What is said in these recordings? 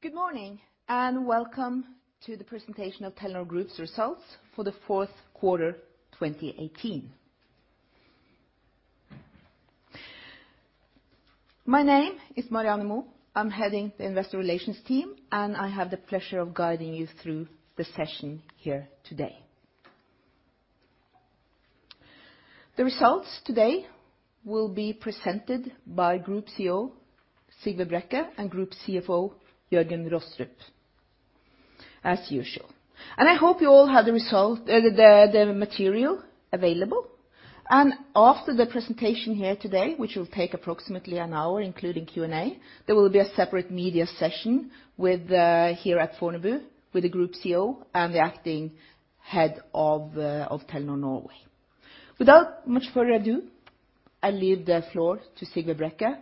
Good morning, and welcome to the presentation of Telenor Group's results for the fourth quarter, 2018. My name is Marianne Moe. I'm heading the investor relations team, and I have the pleasure of guiding you through the session here today. The results today will be presented by Group CEO Sigve Brekke and Group CFO Jørgen Rostrup, as usual. I hope you all have the result, the material available. After the presentation here today, which will take approximately an hour, including Q&A, there will be a separate media session with here at Fornebu, with the group CEO and the acting head of Telenor Norway. Without much further ado, I leave the floor to Sigve Brekke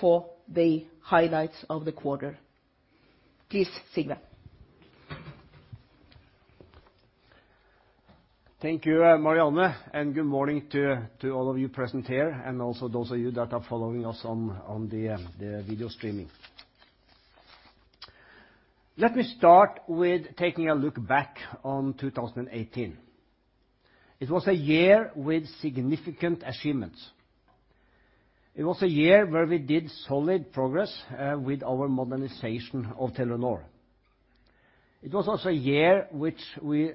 for the highlights of the quarter. Please, Sigve. Thank you, Marianne, and good morning to all of you present here, and also those of you that are following us on the video streaming. Let me start with taking a look back on 2018. It was a year with significant achievements. It was a year where we did solid progress with our modernization of Telenor. It was also a year which we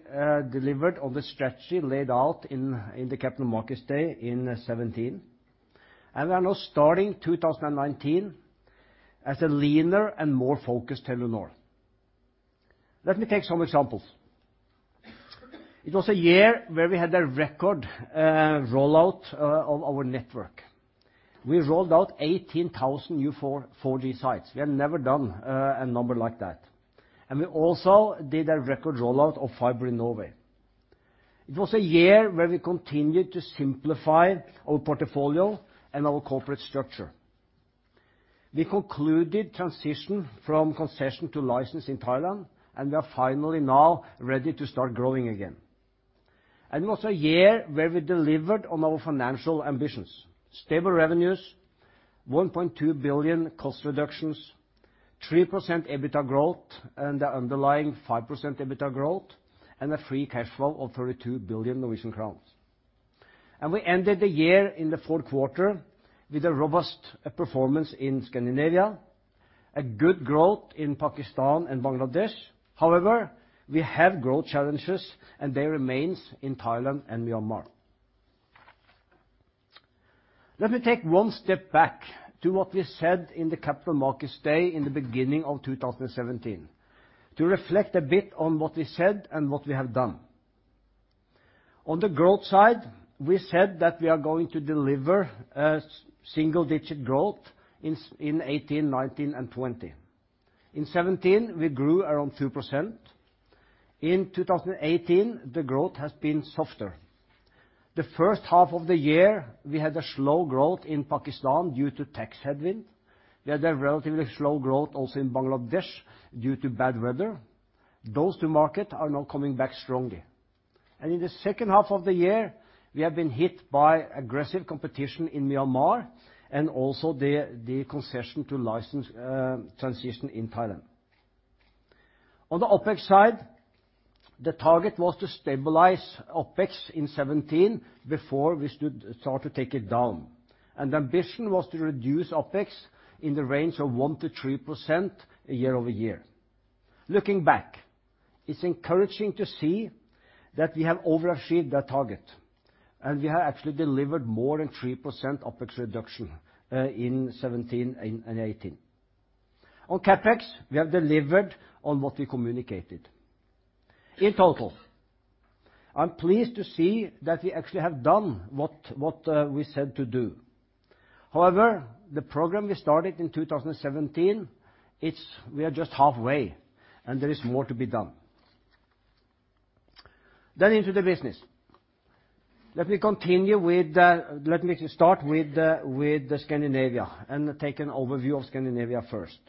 delivered on the strategy laid out in the capital markets day in 2017. And we are now starting 2019 as a leaner and more focused Telenor. Let me take some examples. It was a year where we had a record rollout of our network. We rolled out 18,000 new 4G sites. We have never done a number like that, and we also did a record rollout of fiber in Norway. It was a year where we continued to simplify our portfolio and our corporate structure. We concluded transition from concession to license in Thailand, and we are finally now ready to start growing again. It was a year where we delivered on our financial ambitions: stable revenues, 1.2 billion cost reductions, 3% EBITDA growth, and the underlying 5% EBITDA growth, and a free cash flow of 32 billion Norwegian crowns. We ended the year in the fourth quarter with a robust performance in Scandinavia, a good growth in Pakistan and Bangladesh. However, we have growth challenges, and they remains in Thailand and Myanmar. Let me take one step back to what we said in the Capital Markets Day in the beginning of 2017, to reflect a bit on what we said and what we have done. On the growth side, we said that we are going to deliver a single digit growth in 2018, 2019, and 2020. In 2017, we grew around 2%. In 2018, the growth has been softer. The first half of the year, we had a slow growth in Pakistan due to tax headwind. We had a relatively slow growth also in Bangladesh due to bad weather. Those two markets are now coming back strongly. And in the second half of the year, we have been hit by aggressive competition in Myanmar and also the concession to license transition in Thailand. On the OpEx side, the target was to stabilize OpEx in 2017 before we start to take it down, and the ambition was to reduce OpEx in the range of 1%-3% year-over-year. Looking back, it's encouraging to see that we have overachieved that target, and we have actually delivered more than 3% OpEx reduction in 2017 and 2018. On CapEx, we have delivered on what we communicated. In total, I'm pleased to see that we actually have done what we said to do. However, the program we started in 2017, we are just halfway, and there is more to be done. Then into the business. Let me continue with... Let me start with Scandinavia, and take an overview of Scandinavia first.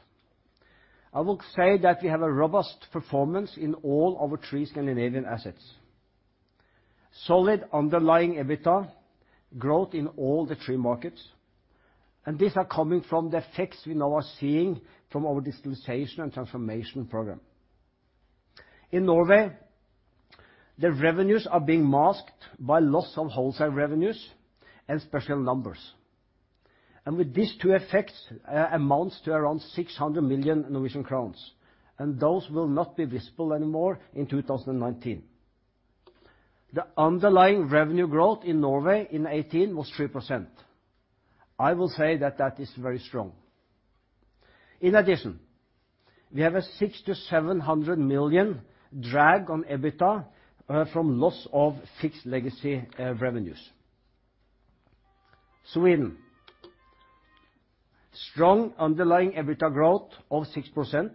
I will say that we have a robust performance in all our three Scandinavian assets. Solid underlying EBITDA growth in all the three markets, and these are coming from the effects we now are seeing from our distribution and transformation program. In Norway, the revenues are being masked by loss of wholesale revenues and special numbers. And with these two effects amounts to around 600 million Norwegian crowns, and those will not be visible anymore in 2019. The underlying revenue growth in Norway in 2018 was 3%. I will say that that is very strong. In addition, we have a 600-700 million drag on EBITDA from loss of fixed legacy revenues. Sweden, strong underlying EBITDA growth of 6%,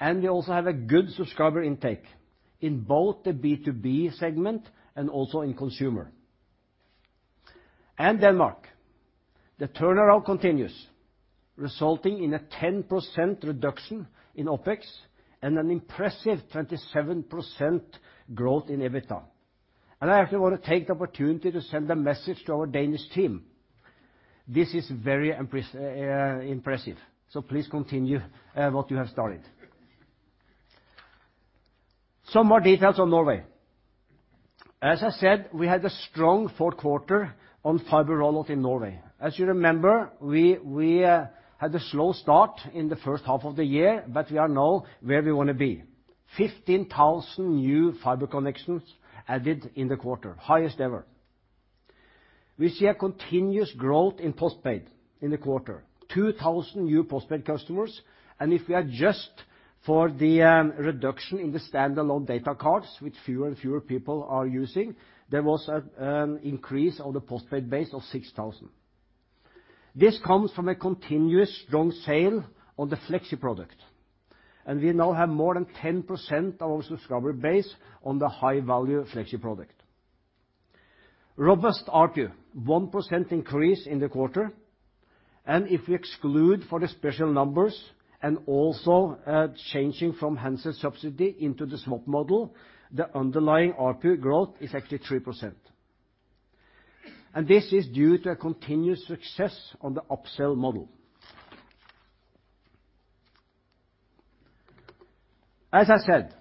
and we also have a good subscriber intake in both the B2B segment and also in consumer. Denmark, the turnaround continues, resulting in a 10% reduction in OpEx and an impressive 27% growth in EBITDA. I actually want to take the opportunity to send a message to our Danish team. This is very impressive, so please continue what you have started. Some more details on Norway. As I said, we had a strong fourth quarter on fiber rollout in Norway. As you remember, we had a slow start in the first half of the year, but we are now where we want to be. 15,000 new fiber connections added in the quarter, highest ever. We see a continuous growth in postpaid in the quarter, 2,000 new postpaid customers, and if we adjust for the reduction in the standalone data cards, which fewer and fewer people are using, there was an increase on the postpaid base of 6,000. This comes from a continuous strong sale on the Flexi product, and we now have more than 10% of our subscriber base on the high-value Flexi product. Robust ARPU, 1% increase in the quarter, and if we exclude for the special numbers and also changing from handset subsidy into the SWAP model, the underlying ARPU growth is actually 3%, and this is due to a continuous success on the upsell model. As I said,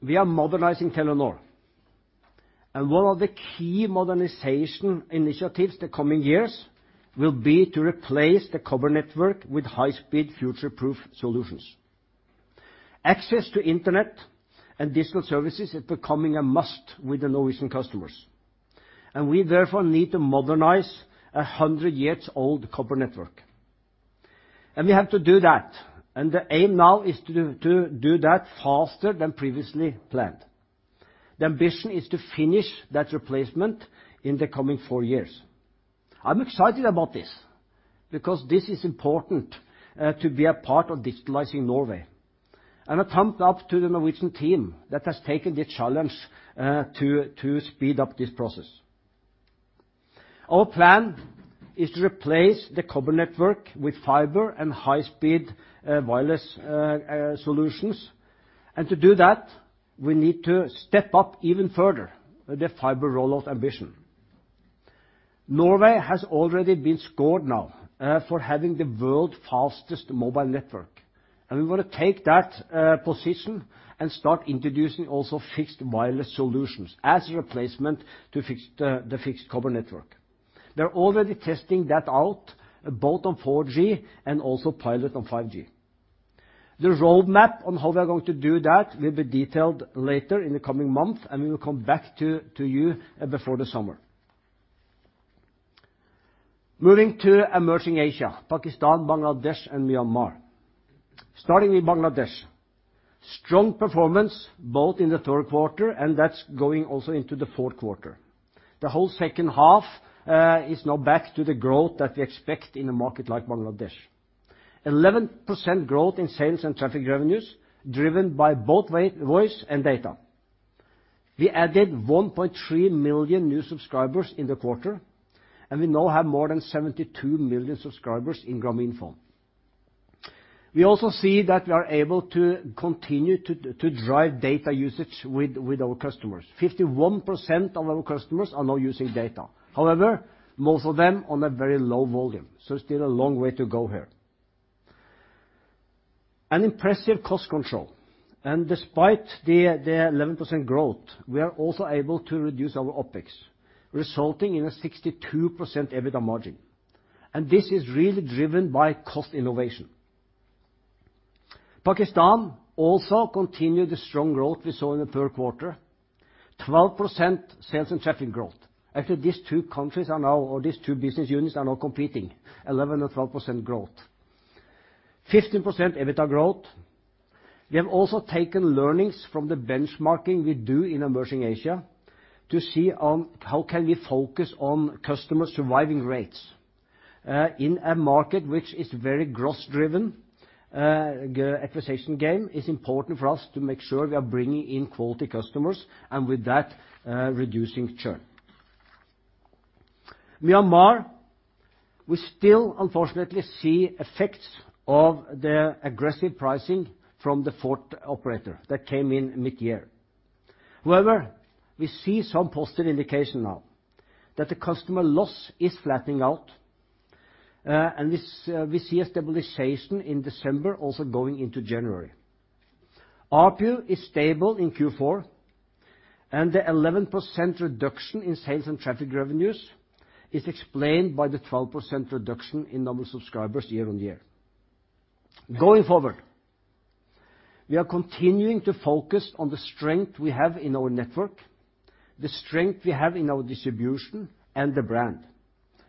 we are modernizing Telenor, and one of the key modernization initiatives the coming years will be to replace the copper network with high-speed, future-proof solutions. Access to internet and digital services is becoming a must with the Norwegian customers, and we therefore need to modernize a 100-year-old copper network, and we have to do that, and the aim now is to do that faster than previously planned. The ambition is to finish that replacement in the coming 4 years. I'm excited about this, because this is important to be a part of digitalizing Norway, and a thumbs up to the Norwegian team that has taken the challenge to speed up this process. Our plan is to replace the copper network with fiber and high-speed wireless solutions, and to do that, we need to step up even further the fiber rollout ambition. Norway has already been scored now for having the world's fastest mobile network, and we want to take that position and start introducing also fixed wireless solutions as a replacement to the fixed copper network. They're already testing that out, both on 4G and also pilot on 5G. The roadmap on how we are going to do that will be detailed later in the coming months, and we will come back to you before the summer. Moving to emerging Asia: Pakistan, Bangladesh, and Myanmar. Starting in Bangladesh, strong performance both in the third quarter, and that's going also into the fourth quarter. The whole second half is now back to the growth that we expect in a market like Bangladesh. 11% growth in sales and traffic revenues, driven by both voice and data. We added 1.3 million new subscribers in the quarter, and we now have more than 72 million subscribers in Grameenphone. We also see that we are able to continue to, to drive data usage with, with our customers. 51% of our customers are now using data. However, most of them on a very low volume, so still a long way to go here. An impressive cost control, and despite the, the 11% growth, we are also able to reduce our OpEx, resulting in a 62% EBITDA margin, and this is really driven by cost innovation. Pakistan also continued the strong growth we saw in the third quarter, 12% sales and traffic growth. Actually, these two countries are now, or these two business units, are now competing, 11% and 12% growth. 15% EBITDA growth. We have also taken learnings from the benchmarking we do in emerging Asia to see on how can we focus on customer surviving rates. In a market which is very growth driven, acquisition gain is important for us to make sure we are bringing in quality customers, and with that, reducing churn. Myanmar, we still unfortunately see effects of the aggressive pricing from the fourth operator that came in mid-year. However, we see some positive indication now that the customer loss is flattening out, and this, we see a stabilization in December also going into January. ARPU is stable in Q4, and the 11% reduction in sales and traffic revenues is explained by the 12% reduction in number of subscribers year-on-year. Going forward, we are continuing to focus on the strength we have in our network, the strength we have in our distribution, and the brand,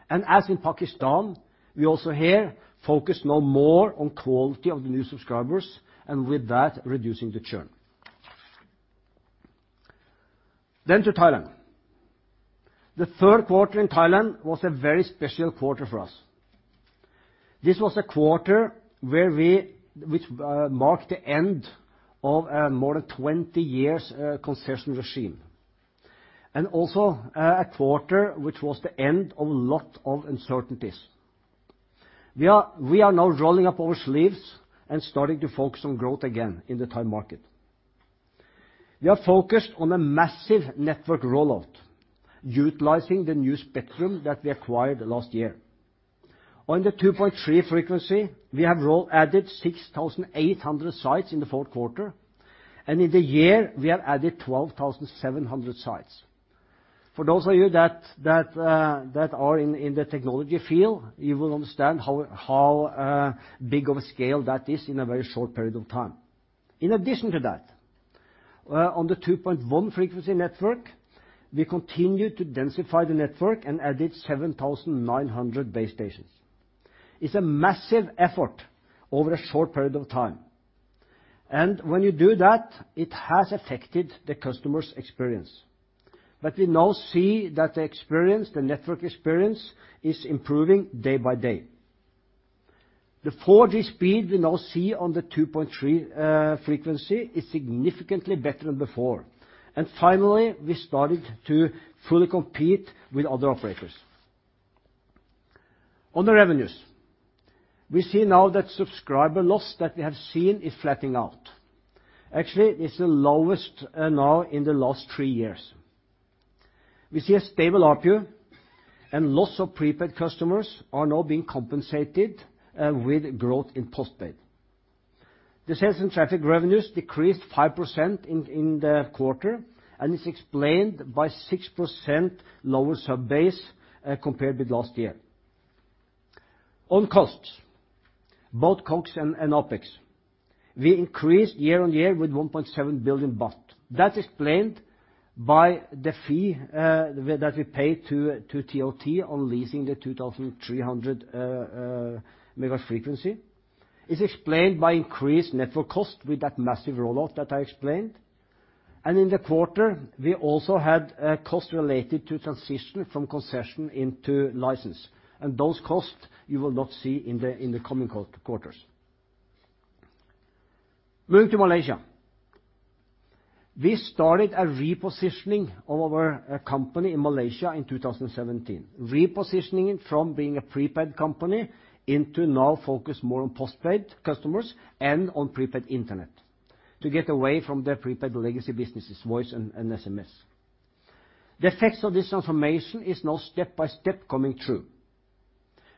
and as in Pakistan, we also here focus now more on quality of the new subscribers, and with that, reducing the churn. Then to Thailand. The third quarter in Thailand was a very special quarter for us. This was a quarter which marked the end of more than 20 years concession regime, and also a quarter which was the end of a lot of uncertainties. We are, we are now rolling up our sleeves and starting to focus on growth again in the Thai market. We are focused on a massive network rollout, utilizing the new spectrum that we acquired last year. On the 2.3 frequency, we have added 6,800 sites in the fourth quarter, and in the year, we have added 12,700 sites. For those of you that are in the technology field, you will understand how big of a scale that is in a very short period of time. In addition to that, on the 2.1 frequency network, we continued to densify the network and added 7,900 base stations. It's a massive effort over a short period of time, and when you do that, it has affected the customers' experience. But we now see that the experience, the network experience, is improving day by day. The 4G speed we now see on the 2.3 frequency is significantly better than before, and finally, we started to fully compete with other operators. On the revenues, we see now that subscriber loss that we have seen is flattening out. Actually, it's the lowest now in the last 3 years. We see a stable ARPU, and loss of prepaid customers are now being compensated with growth in postpaid. The sales and traffic revenues decreased 5% in the quarter, and it's explained by 6% lower sub base compared with last year. On costs, both CapEx and OpEx, we increased year-on-year with 1.7 billion baht. That's explained by the fee that we paid to TOT on leasing the 2,300 MHz frequency. It's explained by increased network cost with that massive rollout that I explained, and in the quarter, we also had costs related to transition from concession into license, and those costs you will not see in the coming quarters. Moving to Malaysia. We started a repositioning of our company in Malaysia in 2017, repositioning it from being a prepaid company into now focus more on postpaid customers and on prepaid internet, to get away from the prepaid legacy businesses, voice and SMS. The effects of this transformation is now step by step coming true.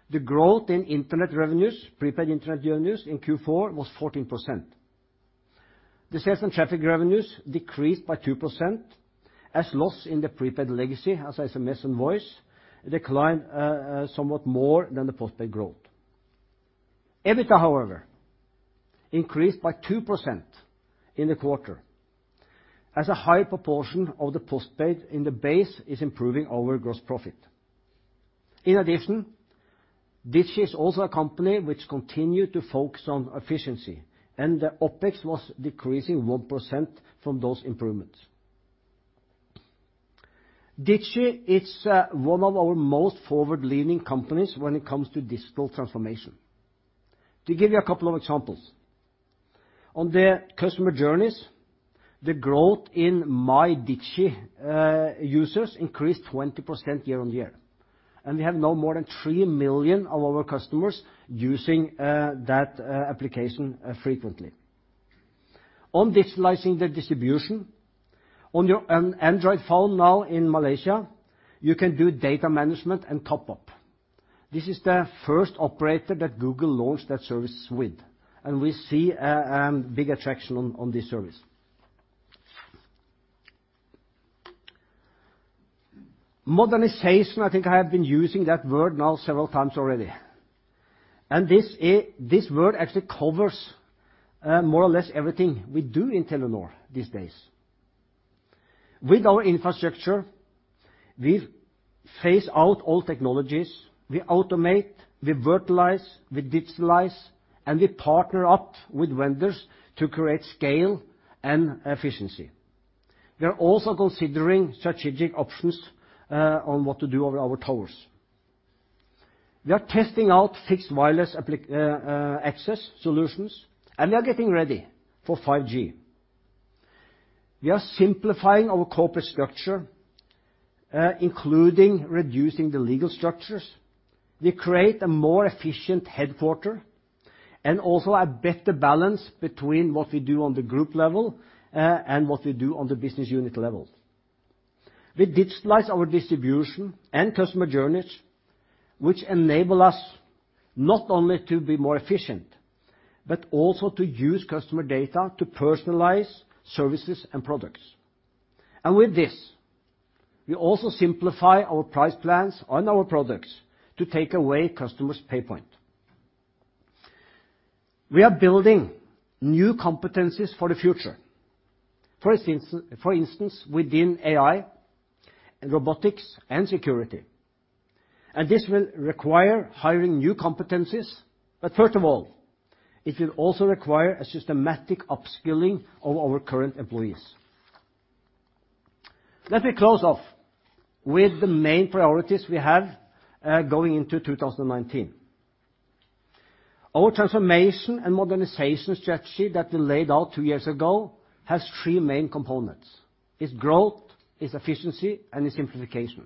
The growth in internet revenues, prepaid internet revenues, in Q4 was 14%. The sales and traffic revenues decreased by 2%, as loss in the prepaid legacy, as SMS and voice, declined somewhat more than the postpaid growth. EBITDA, however, increased by 2% in the quarter, as a high proportion of the postpaid in the base is improving our gross profit. In addition, Digi is also a company which continued to focus on efficiency, and the OpEx was decreasing 1% from those improvements. Digi is one of our most forward-leaning companies when it comes to digital transformation. To give you a couple of examples, on the customer journeys, the growth in MyDigi users increased 20% year-on-year, and we have now more than 3 million of our customers using that application frequently. On digitalizing the distribution, on Android phone now in Malaysia, you can do data management and top up. This is the first operator that Google launched that service with, and we see big attraction on this service. Modernization, I think I have been using that word now several times already, and this word actually covers, more or less, everything we do in Telenor these days. With our infrastructure, we phase out all technologies, we automate, we virtualize, we digitalize, and we partner up with vendors to create scale and efficiency. We are also considering strategic options on what to do with our towers. We are testing out fixed wireless access solutions, and we are getting ready for 5G. We are simplifying our corporate structure, including reducing the legal structures. We create a more efficient headquarters, and also a better balance between what we do on the group level and what we do on the business unit level. We digitalize our distribution and customer journeys, which enable us not only to be more efficient, but also to use customer data to personalize services and products. And with this, we also simplify our price plans on our products to take away customers' pain point. We are building new competencies for the future, for instance, within AI and robotics and security, and this will require hiring new competencies, but first of all, it will also require a systematic upskilling of our current employees. Let me close off with the main priorities we have going into 2019. Our transformation and modernization strategy that we laid out two years ago has three main components: It's growth, it's efficiency, and it's simplification.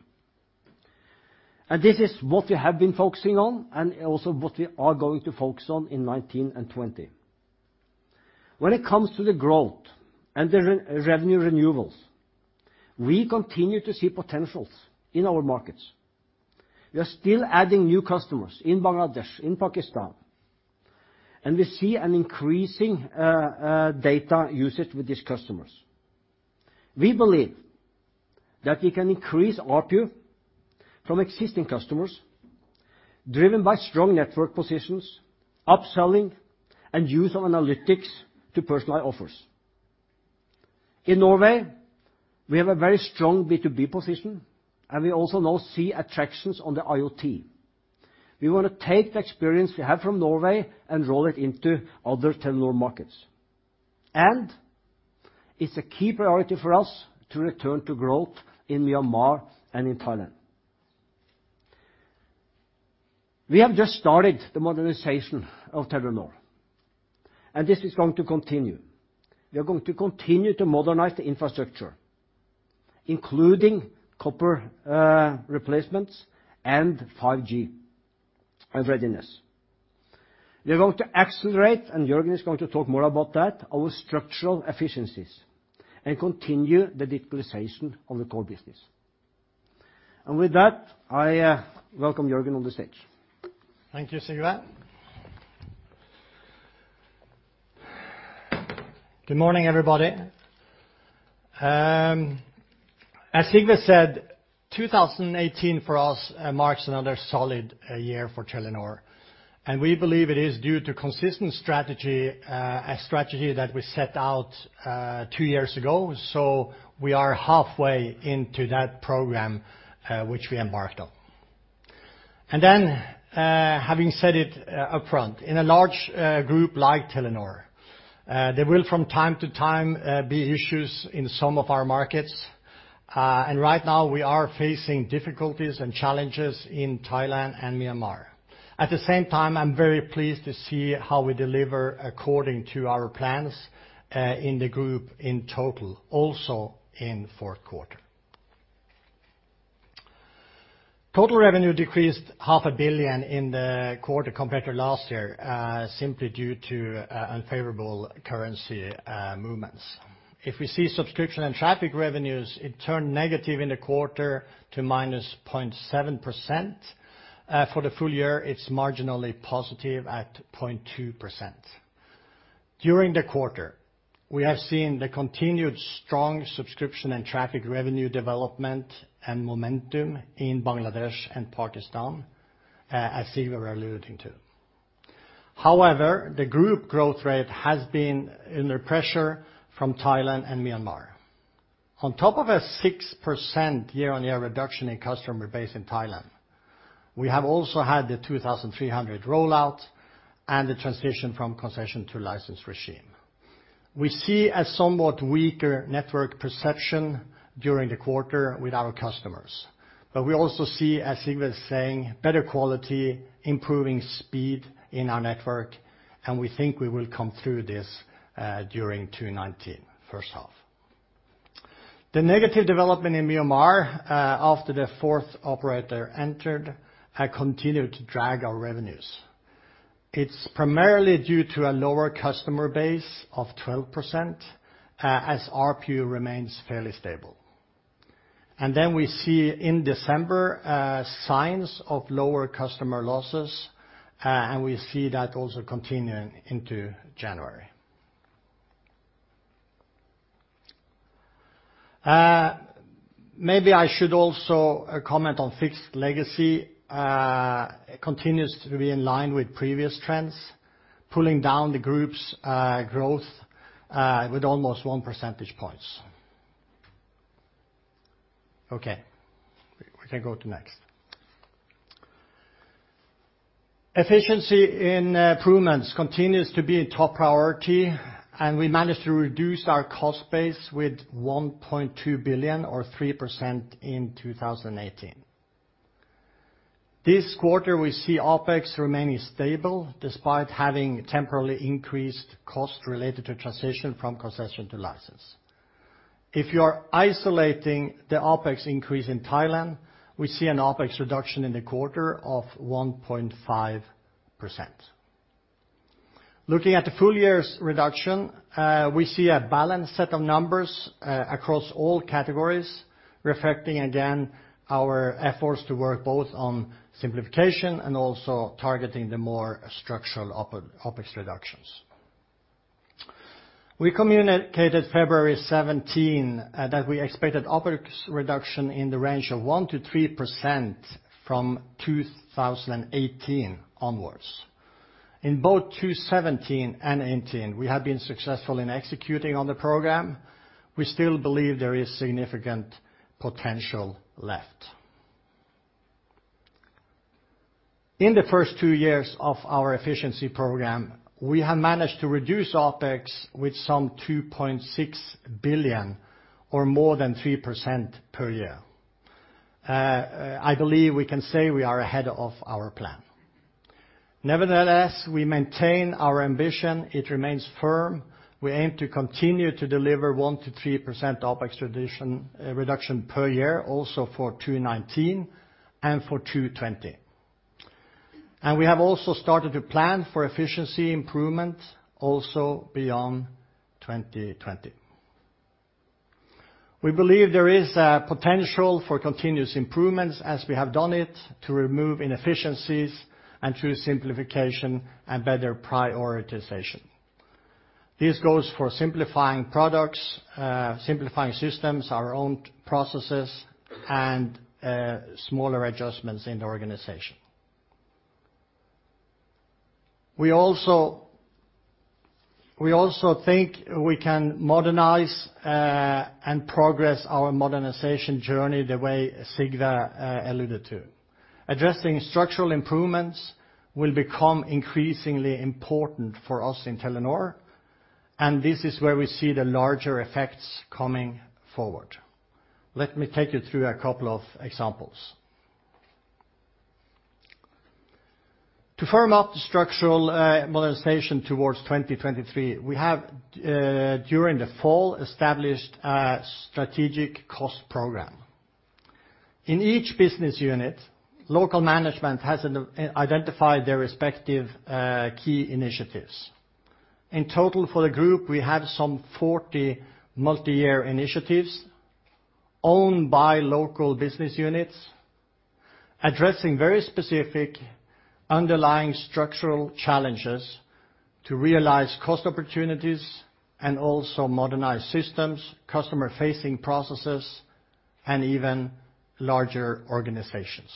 And this is what we have been focusing on, and also what we are going to focus on in 2019 and 2020. When it comes to the growth and the revenue renewals, we continue to see potentials in our markets. We are still adding new customers in Bangladesh, in Pakistan, and we see an increasing data usage with these customers. We believe that we can increase ARPU from existing customers, driven by strong network positions, upselling, and use of analytics to personalize offers. In Norway, we have a very strong B2B position, and we also now see attractions on the IoT. We want to take the experience we have from Norway and roll it into other Telenor markets. And it's a key priority for us to return to growth in Myanmar and in Thailand. We have just started the modernization of Telenor, and this is going to continue. We are going to continue to modernize the infrastructure, including copper replacements and 5G readiness. We are going to accelerate, and Jørgen is going to talk more about that, our structural efficiencies, and continue the digitalization of the core business. With that, I welcome Jørgen on the stage. Thank you, Sigve. Good morning, everybody. As Sigve said, 2018 for us marks another solid year for Telenor, and we believe it is due to consistent strategy, a strategy that we set out two years ago, so we are halfway into that program which we embarked on. And then, having said it upfront, in a large group like Telenor, there will from time to time be issues in some of our markets, and right now we are facing difficulties and challenges in Thailand and Myanmar. At the same time, I'm very pleased to see how we deliver according to our plans in the group in total, also in fourth quarter. Total revenue decreased 500 million in the quarter compared to last year simply due to unfavorable currency movements. If we see subscription and traffic revenues, it turned negative in the quarter to minus 0.7%. For the full year, it's marginally positive at 0.2%. During the quarter, we have seen the continued strong subscription and traffic revenue development and momentum in Bangladesh and Pakistan, as Sigve were alluding to. However, the group growth rate has been under pressure from Thailand and Myanmar. On top of a 6% year-on-year reduction in customer base in Thailand, we have also had the 2,300 rollout and the transition from concession to license regime. We see a somewhat weaker network perception during the quarter with our customers, but we also see, as Sigve was saying, better quality, improving speed in our network, and we think we will come through this, during 2019, first half. The negative development in Myanmar, after the fourth operator entered, had continued to drag our revenues. It's primarily due to a lower customer base of 12%, as ARPU remains fairly stable. And then we see in December, signs of lower customer losses, and we see that also continuing into January. Maybe I should also comment on fixed legacy, continues to be in line with previous trends, pulling down the group's growth, with almost one percentage points. Okay, we can go to next. Efficiency in improvements continues to be a top priority, and we managed to reduce our cost base with 1.2 billion or 3% in 2018. This quarter, we see OpEx remaining stable, despite having temporarily increased costs related to transition from concession to license. If you are isolating the OpEx increase in Thailand, we see an OpEx reduction in the quarter of 1.5%. Looking at the full year's reduction, we see a balanced set of numbers across all categories, reflecting again our efforts to work both on simplification and also targeting the more structural OpEx reductions. We communicated February 17 that we expected OpEx reduction in the range of 1%-3% from 2018 onwards. In both 2017 and 2018, we have been successful in executing on the program. We still believe there is significant potential left. In the first two years of our efficiency program, we have managed to reduce OpEx with some 2.6 billion, or more than 3% per year. I believe we can say we are ahead of our plan. Nevertheless, we maintain our ambition, it remains firm. We aim to continue to deliver 1%-3% OpEx reduction per year, also for 2019 and 2020. We have also started to plan for efficiency improvement also beyond 2020. We believe there is a potential for continuous improvements, as we have done it, to remove inefficiencies and through simplification and better prioritization. This goes for simplifying products, simplifying systems, our own processes, and smaller adjustments in the organization. We also, we also think we can modernize and progress our modernization journey the way Sigve alluded to. Addressing structural improvements will become increasingly important for us in Telenor, and this is where we see the larger effects coming forward. Let me take you through a couple of examples. To firm up the structural modernization towards 2023, we have during the fall established a strategic cost program. In each business unit, local management has identified their respective key initiatives. In total, for the group, we have some 40 multi-year initiatives, owned by local business units, addressing very specific underlying structural challenges to realize cost opportunities and also modernize systems, customer-facing processes, and even larger organizations.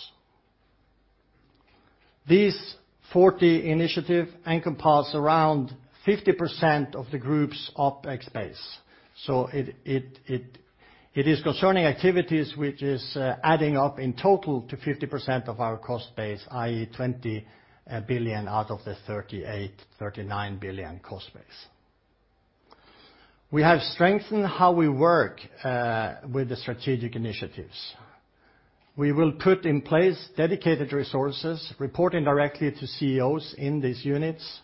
These 40 initiative encompass around 50% of the group's OpEx base. So it is concerning activities which is adding up in total to 50% of our cost base, i.e., 20 billion out of the 38 billion-39 billion cost base. We have strengthened how we work with the strategic initiatives. We will put in place dedicated resources, reporting directly to CEOs in these units.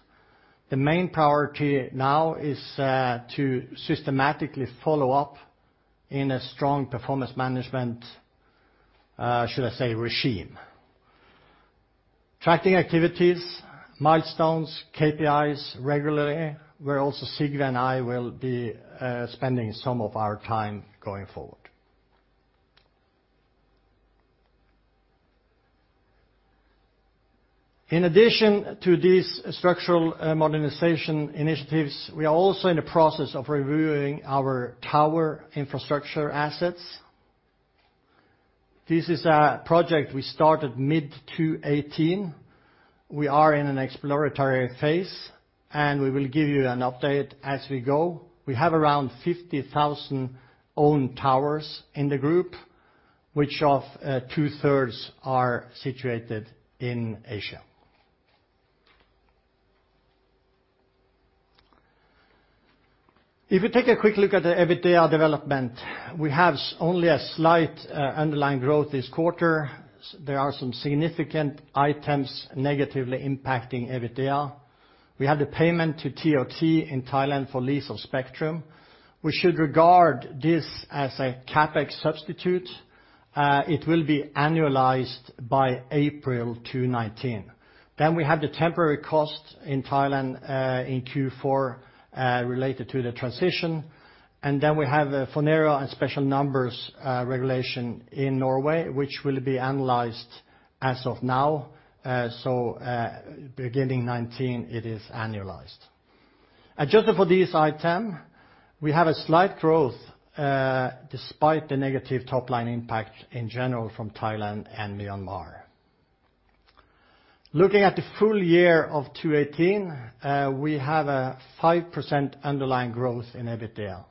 The main priority now is to systematically follow up in a strong performance management, should I say, regime. Tracking activities, milestones, KPIs regularly, where also Sigve and I will be spending some of our time going forward. In addition to these structural, modernization initiatives, we are also in the process of reviewing our tower infrastructure assets. This is a project we started mid-2018. We are in an exploratory phase, and we will give you an update as we go. We have around 50,000 own towers in the group, which of, two-thirds are situated in Asia. If you take a quick look at the EBITDA development, we have only a slight, underlying growth this quarter. There are some significant items negatively impacting EBITDA. We have the payment to TOT in Thailand for lease of spectrum. We should regard this as a CapEx substitute. It will be annualized by April 2019. Then we have the temporary cost in Thailand, in Q4, related to the transition. Then we have a full year and special numbers regulation in Norway, which will be analyzed as of now. Beginning 2019, it is annualized. Adjusted for these items, we have a slight growth despite the negative top line impact in general from Thailand and Myanmar. Looking at the full year of 2018, we have a 5% underlying growth in EBITDA.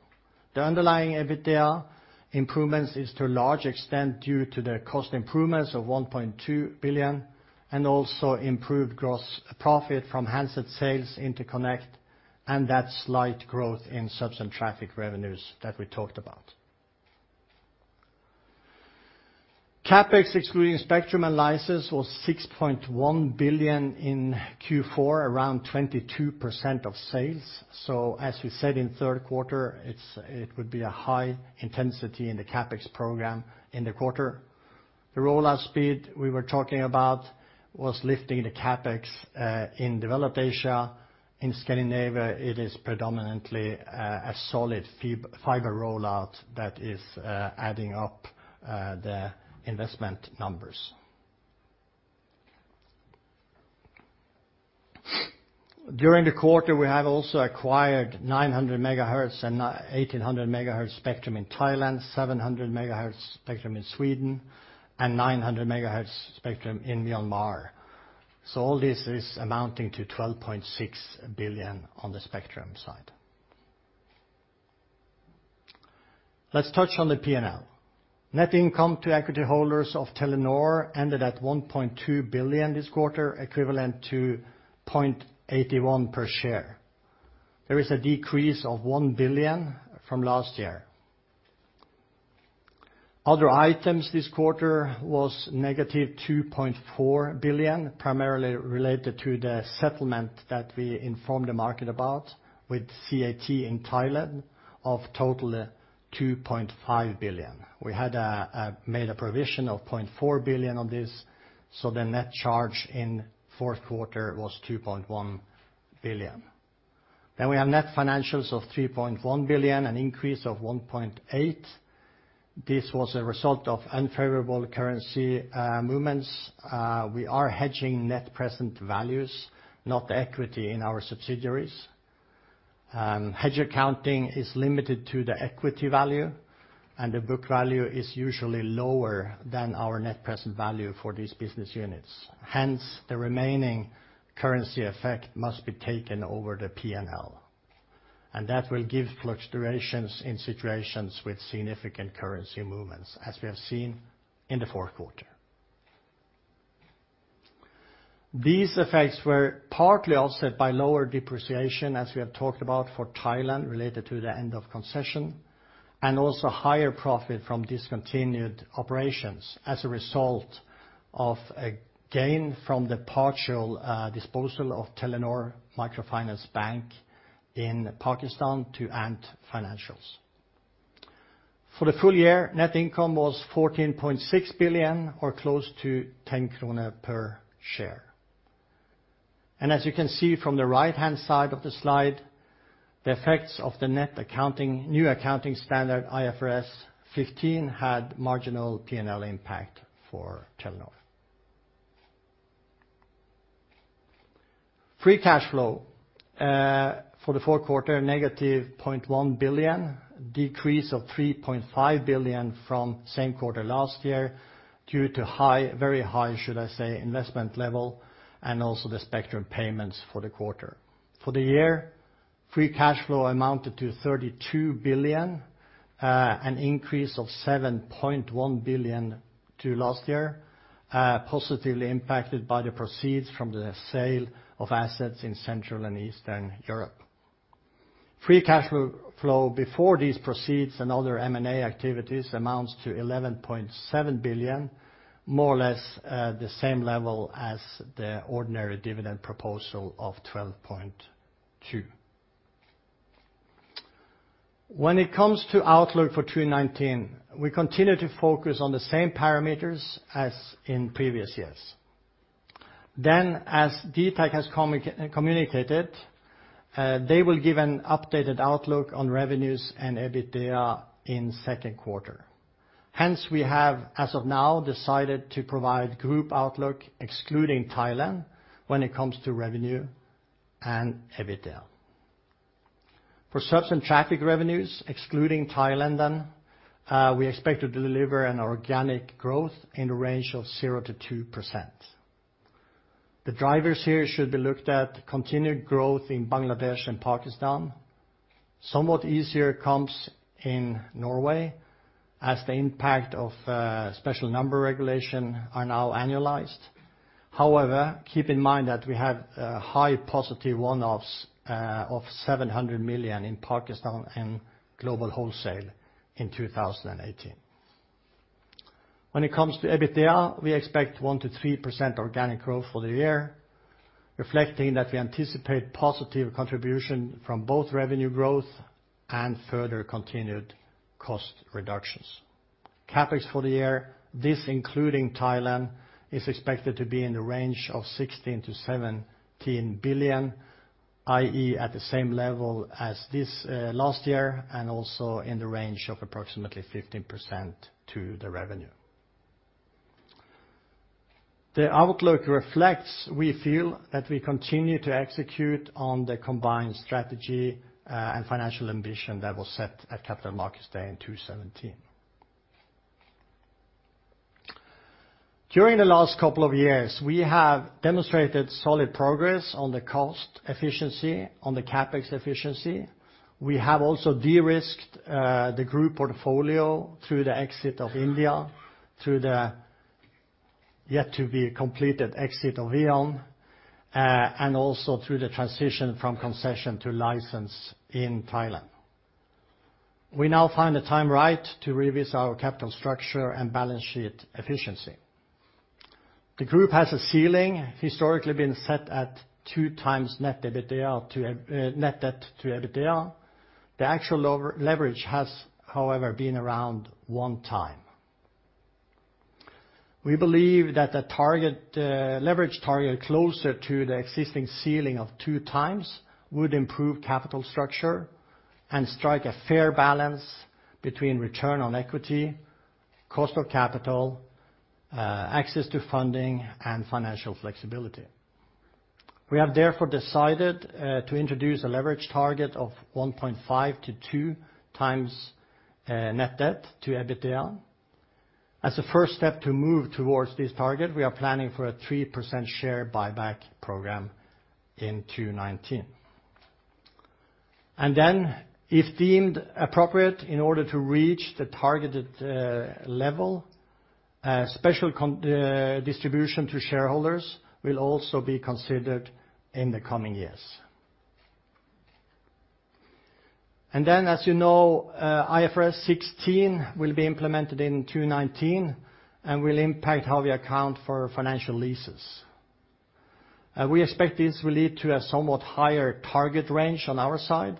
The underlying EBITDA improvements is to a large extent due to the cost improvements of 1.2 billion, and also improved gross profit from handset sales interconnect, and that slight growth in subs and traffic revenues that we talked about. CapEx, excluding spectrum licenses, was 6.1 billion in Q4, around 22% of sales. So as we said in third quarter, it would be a high intensity in the CapEx program in the quarter. The rollout speed we were talking about was lifting the CapEx in developed Asia. In Scandinavia, it is predominantly a solid fiber rollout that is adding up the investment numbers. During the quarter, we have also acquired 900 MHz and 1,800 MHz spectrum in Thailand, 700 MHz spectrum in Sweden, and 900 MHz spectrum in Myanmar. So all this is amounting to 12.6 billion on the spectrum side. Let's touch on the P&L. Net income to equity holders of Telenor ended at 1.2 billion this quarter, equivalent to 0.81 per share. There is a decrease of 1 billion from last year. Other items this quarter was negative 2.4 billion, primarily related to the settlement that we informed the market about with CAT in Thailand of total 2.5 billion. We had made a provision of 0.4 billion on this, so the net charge in fourth quarter was 2.1 billion. Then we have net financials of 3.1 billion, an increase of 1.8 billion. This was a result of unfavorable currency movements. We are hedging net present values, not the equity in our subsidiaries. Hedge accounting is limited to the equity value, and the book value is usually lower than our net present value for these business units. Hence, the remaining currency effect must be taken over the P&L, and that will give fluctuations in situations with significant currency movements, as we have seen in the fourth quarter. These effects were partly offset by lower depreciation, as we have talked about for Thailand, related to the end of concession, and also higher profit from discontinued operations as a result of a gain from the partial disposal of Telenor Microfinance Bank in Pakistan to Ant Financial. For the full year, net income was 14.6 billion, or close to 10 krone per share. As you can see from the right-hand side of the slide, the effects of the new accounting standard, IFRS 15, had marginal P&L impact for Telenor. Free cash flow for the fourth quarter, -0.1 billion, decrease of 3.5 billion from same quarter last year, due to high, very high, should I say, investment level, and also the spectrum payments for the quarter. For the year, free cash flow amounted to 32 billion, an increase of 7.1 billion to last year, positively impacted by the proceeds from the sale of assets in Central and Eastern Europe. Free cash flow before these proceeds and other M&A activities amounts to 11.7 billion, more or less, the same level as the ordinary dividend proposal of 12.2 billion. When it comes to outlook for 2019, we continue to focus on the same parameters as in previous years. Then, as dtac has communicated, they will give an updated outlook on revenues and EBITDA in second quarter. Hence, we have, as of now, decided to provide group outlook, excluding Thailand, when it comes to revenue and EBITDA. For subs and traffic revenues, excluding Thailand then, we expect to deliver an organic growth in the range of 0%-2%. The drivers here should be looked at, continued growth in Bangladesh and Pakistan, somewhat easier comps in Norway, as the impact of, special number regulation are now annualized. However, keep in mind that we have, high positive one-offs, of 700 million in Pakistan and Global Wholesale in 2018. When it comes to EBITDA, we expect 1%-3% organic growth for the year, reflecting that we anticipate positive contribution from both revenue growth and further continued cost reductions. CapEx for the year, this including Thailand, is expected to be in the range of 16 billion-17 billion, i.e., at the same level as this, last year, and also in the range of approximately 15% to the revenue. The outlook reflects, we feel, that we continue to execute on the combined strategy, and financial ambition that was set at Capital Markets Day in 2017. During the last couple of years, we have demonstrated solid progress on the cost efficiency, on the CapEx efficiency. We have also de-risked, the group portfolio through the exit of India, through the yet to be completed exit of VEON, and also through the transition from concession to license in Thailand. We now find the time right to revise our capital structure and balance sheet efficiency. The group has a ceiling, historically been set at two times net EBITDA to, net debt to EBITDA. The actual leverage has, however, been around one time. We believe that the leverage target closer to the existing ceiling of 2x would improve capital structure and strike a fair balance between return on equity, cost of capital, access to funding, and financial flexibility. We have therefore decided to introduce a leverage target of 1.5x-2x net debt to EBITDA. As a first step to move towards this target, we are planning for a 3% share buyback program in 2019. And then, if deemed appropriate, in order to reach the targeted level, a special distribution to shareholders will also be considered in the coming years. And then, as you know, IFRS 16 will be implemented in 2019, and will impact how we account for financial leases. We expect this will lead to a somewhat higher target range on our side.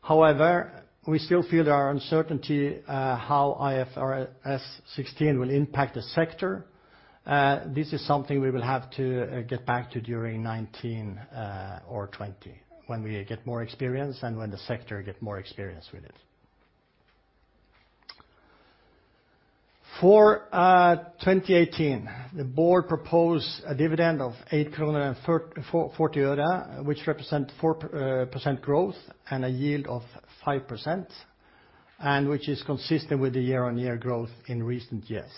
However, we still feel there are uncertainty how IFRS 16 will impact the sector. This is something we will have to get back to during 2019 or 2020, when we get more experience and when the sector get more experience with it. For 2018, the board proposed a dividend of 8.40 kroner, which represent 4% growth and a yield of 5%, and which is consistent with the year-on-year growth in recent years.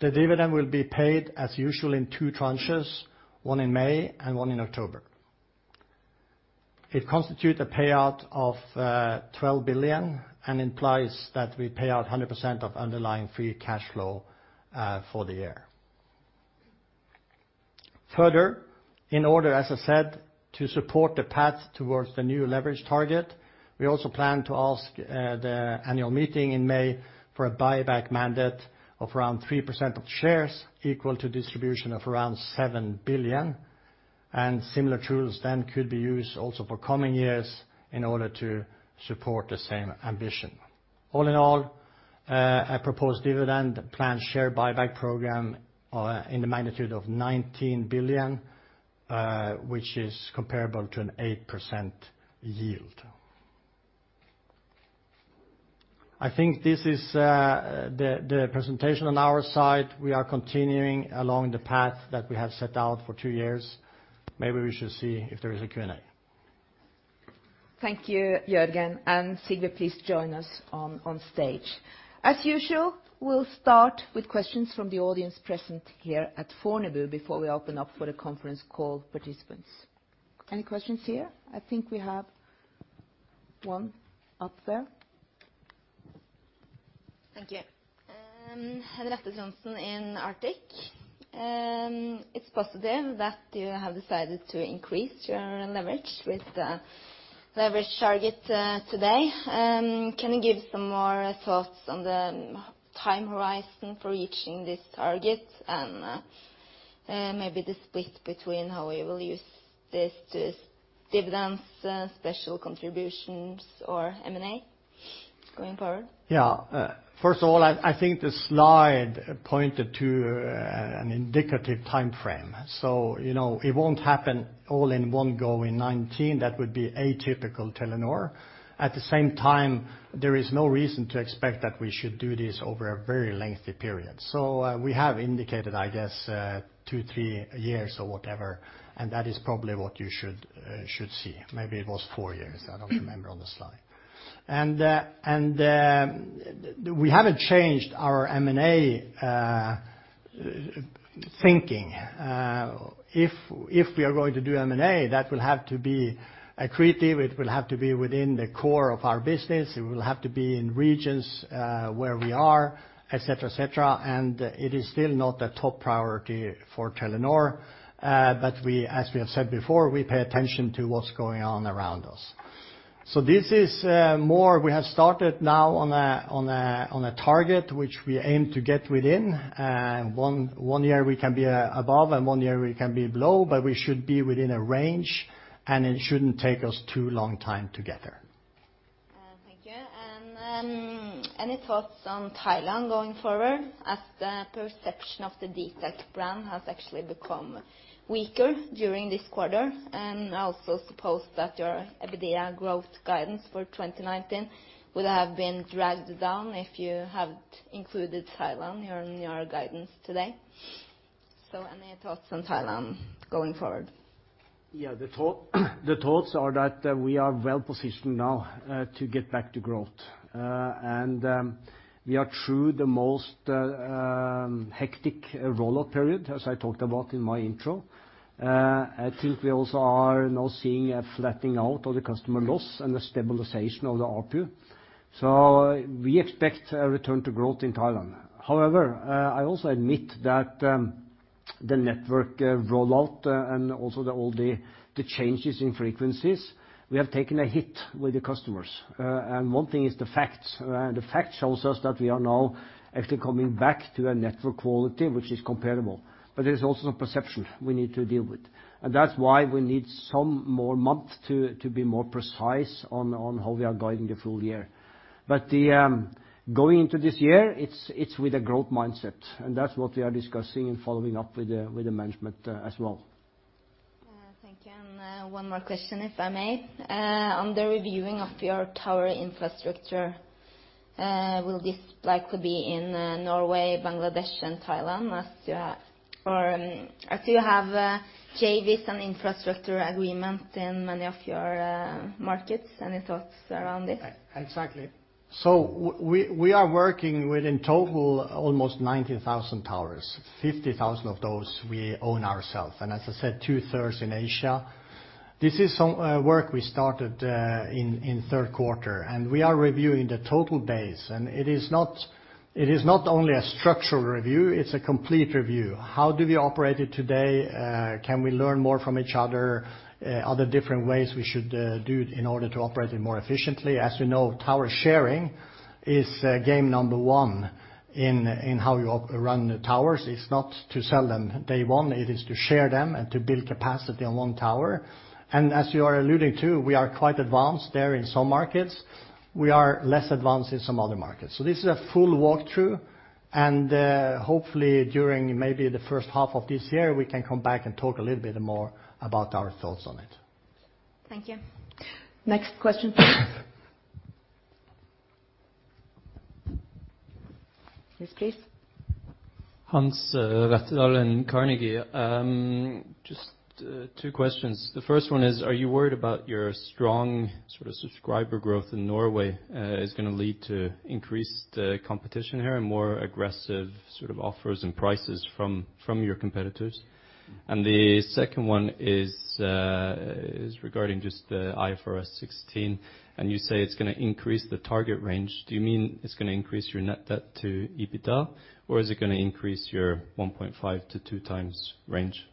The dividend will be paid as usual in two tranches, one in May and one in October. It constitute a payout of 12 billion, and implies that we pay out 100% of underlying free cash flow for the year. Further, in order, as I said, to support the path towards the new leverage target, we also plan to ask the annual meeting in May for a buyback mandate of around 3% of shares, equal to distribution of around 7 billion. Similar tools then could be used also for coming years in order to support the same ambition. All in all, a proposed dividend planned share buyback program in the magnitude of 19 billion, which is comparable to an 8% yield. I think this is the presentation on our side. We are continuing along the path that we have set out for two years. Maybe we should see if there is a Q&A. Thank you, Jørgen, and Sigve, please join us on stage. As usual, we'll start with questions from the audience present here at Fornebu before we open up for the conference call participants. Any questions here? I think we have one up there. Thank you. Henriette Trondsen in Arctic. It's positive that you have decided to increase your leverage with the leverage target today. Can you give some more thoughts on the time horizon for reaching this target, and maybe the split between how we will use this to dividends, special contributions, or M&A going forward? Yeah. First of all, I think the slide pointed to an indicative timeframe. So, you know, it won't happen all in one go in 2019. That would be atypical Telenor. At the same time, there is no reason to expect that we should do this over a very lengthy period. So, we have indicated, I guess, two, three years or whatever, and that is probably what you should see. Maybe it was four years, I don't remember on the slide. We haven't changed our M&A thinking. If we are going to do M&A, that will have to be accretive, it will have to be within the core of our business, it will have to be in regions where we are, et cetera, et cetera. It is still not a top priority for Telenor, but we, as we have said before, we pay attention to what's going on around us. So this is more we have started now on a target which we aim to get within. One year we can be above, and one year we can be below, but we should be within a range, and it shouldn't take us too long time to get there. Thank you. Any thoughts on Thailand going forward, as the perception of the dtac brand has actually become weaker during this quarter? I also suppose that your EBITDA growth guidance for 2019 would have been dragged down if you have included Thailand in your guidance today. Any thoughts on Thailand going forward? Yeah, the thought, the thoughts are that we are well positioned now to get back to growth. And we are through the most hectic rollout period, as I talked about in my intro. I think we also are now seeing a flattening out of the customer loss and the stabilization of the ARPU. So we expect a return to growth in Thailand. However, I also admit that the network rollout and also all the changes in frequencies, we have taken a hit with the customers. And one thing is the facts, and the facts shows us that we are now actually coming back to a network quality which is comparable, but there's also perception we need to deal with. That's why we need some more month to be more precise on how we are guiding the full year. But the going into this year, it's with a growth mindset, and that's what we are discussing and following up with the management, as well. Thank you. And, one more question, if I may. On the reviewing of your tower infrastructure?... will this likely be in Norway, Bangladesh, and Thailand as you have JVs and infrastructure agreement in many of your markets? Any thoughts around it? Exactly. So we are working with in total almost 90,000 towers. 50,000 of those we own ourselves, and as I said, two-thirds in Asia. This is some work we started in third quarter, and we are reviewing the total base. And it is not, it is not only a structural review, it's a complete review. How do we operate it today? Can we learn more from each other? Are there different ways we should do it in order to operate it more efficiently? As you know, tower sharing is game number one in how you run the towers. It's not to sell them day one, it is to share them and to build capacity on one tower. And as you are alluding to, we are quite advanced there in some markets. We are less advanced in some other markets. This is a full walk-through, and hopefully during maybe the first half of this year, we can come back and talk a little bit more about our thoughts on it. Thank you. Next question? Yes, please. Hans Vettedal, Carnegie. Just two questions. The first one is, are you worried about your strong sort of subscriber growth in Norway is gonna lead to increased competition here and more aggressive sort of offers and prices from your competitors? And the second one is regarding just the IFRS 16, and you say it's gonna increase the target range. Do you mean it's gonna increase your net debt to EBITDA, or is it gonna increase your 1.5-2 times range?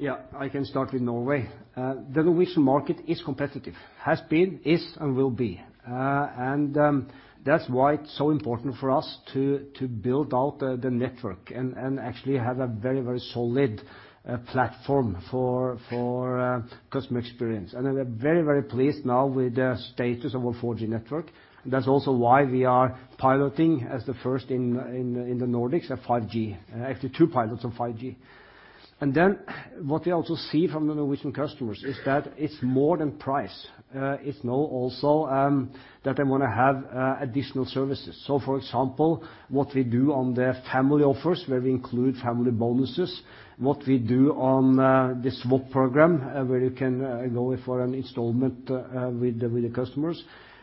Yeah, I can start with Norway. The Norwegian market is competitive, has been, is, and will be. That's why it's so important for us to build out the network and actually have a very, very solid platform for customer experience. And we're very, very pleased now with the status of our 4G network. That's also why we are piloting, as the first in the Nordics, a 5G, actually two pilots of 5G. And then what we also see from the Norwegian customers is that it's more than price. It's now also that they wanna have additional services. So for example, what we do on the family offers, where we include family bonuses. What we do on the SWAP program, where you can go for an installment with the customers.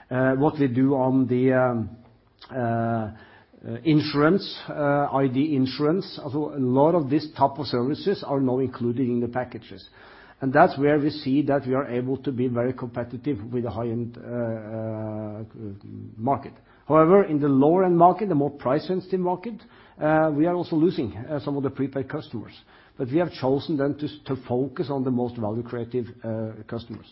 What we do on the insurance, ID insurance. So a lot of these type of services are now included in the packages, and that's where we see that we are able to be very competitive with the high-end market. However, in the lower-end market, the more price-sensitive market, we are also losing some of the prepaid customers. But we have chosen then to focus on the most value creative customers.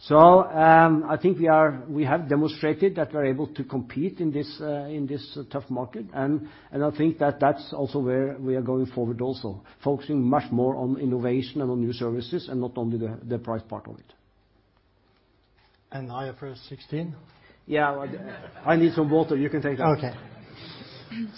So, I think we are—we have demonstrated that we're able to compete in this tough market. And I think that's also where we are going forward, focusing much more on innovation and on new services and not only the price part of it. IFRS 16? Yeah, I need some water. You can take that. Okay.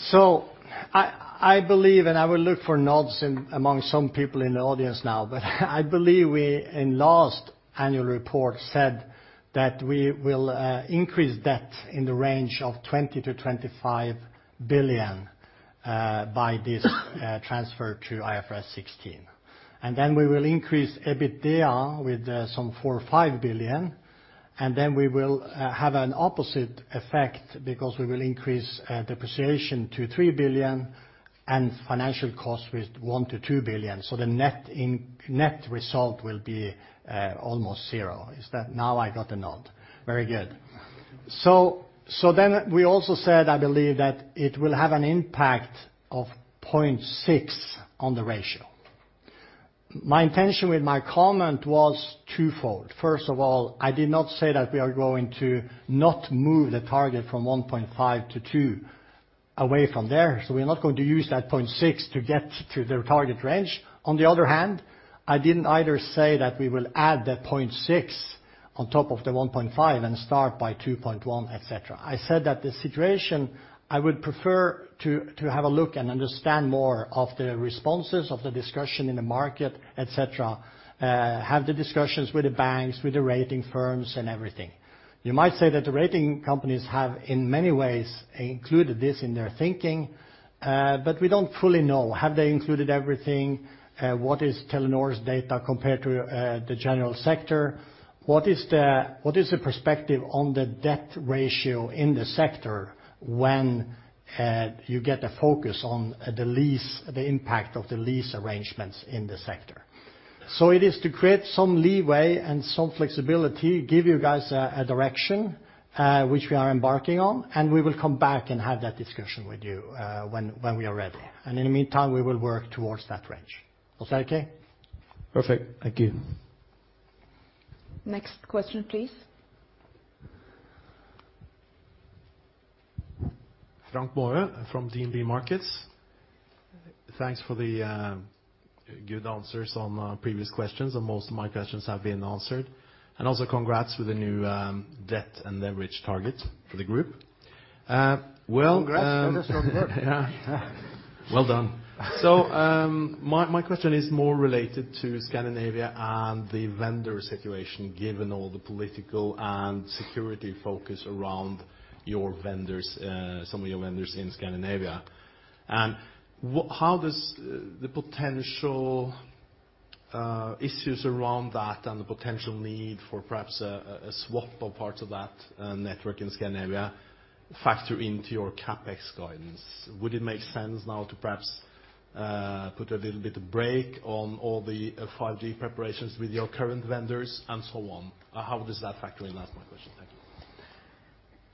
So I believe, and I will look for nods among some people in the audience now, but I believe we, in last annual report, said that we will increase debt in the range of 20-25 billion by this transfer to IFRS 16. And then we will increase EBITDA with some 4 or 5 billion, and then we will have an opposite effect because we will increase depreciation to 3 billion and financial costs with 1-2 billion. So the net result will be almost zero. Is that... Now I got a nod. Very good. So then we also said, I believe, that it will have an impact of 0.6 on the ratio. My intention with my comment was twofold. First of all, I did not say that we are going to not move the target from 1.5 to 2, away from there, so we're not going to use that 0.6 to get to the target range. On the other hand, I didn't either say that we will add that 0.6 on top of the 1.5 and start by 2.1, et cetera. I said that the situation, I would prefer to have a look and understand more of the responses, of the discussion in the market, et cetera. Have the discussions with the banks, with the rating firms and everything. You might say that the rating companies have, in many ways, included this in their thinking, but we don't fully know. Have they included everything? What is Telenor's data compared to the general sector? What is the perspective on the debt ratio in the sector when you get a focus on the lease, the impact of the lease arrangements in the sector? So it is to create some leeway and some flexibility, give you guys a direction, which we are embarking on, and we will come back and have that discussion with you, when we are ready. And in the meantime, we will work towards that range. Was that okay? Perfect. Thank you. Next question, please. Frank Bøhren from DNB Markets. Thanks for the good answers on previous questions, and most of my questions have been answered. And also congrats with the new debt and leverage target for the group.... well- Congrats, that was really good! Yeah. Well done. So, my question is more related to Scandinavia and the vendor situation, given all the political and security focus around your vendors, some of your vendors in Scandinavia. How does the potential issues around that, and the potential need for perhaps a SWAP of parts of that network in Scandinavia factor into your CapEx guidance? Would it make sense now to perhaps put a little bit of brake on all the 5G preparations with your current vendors, and so on? How does that factor in? That's my question. Thank you.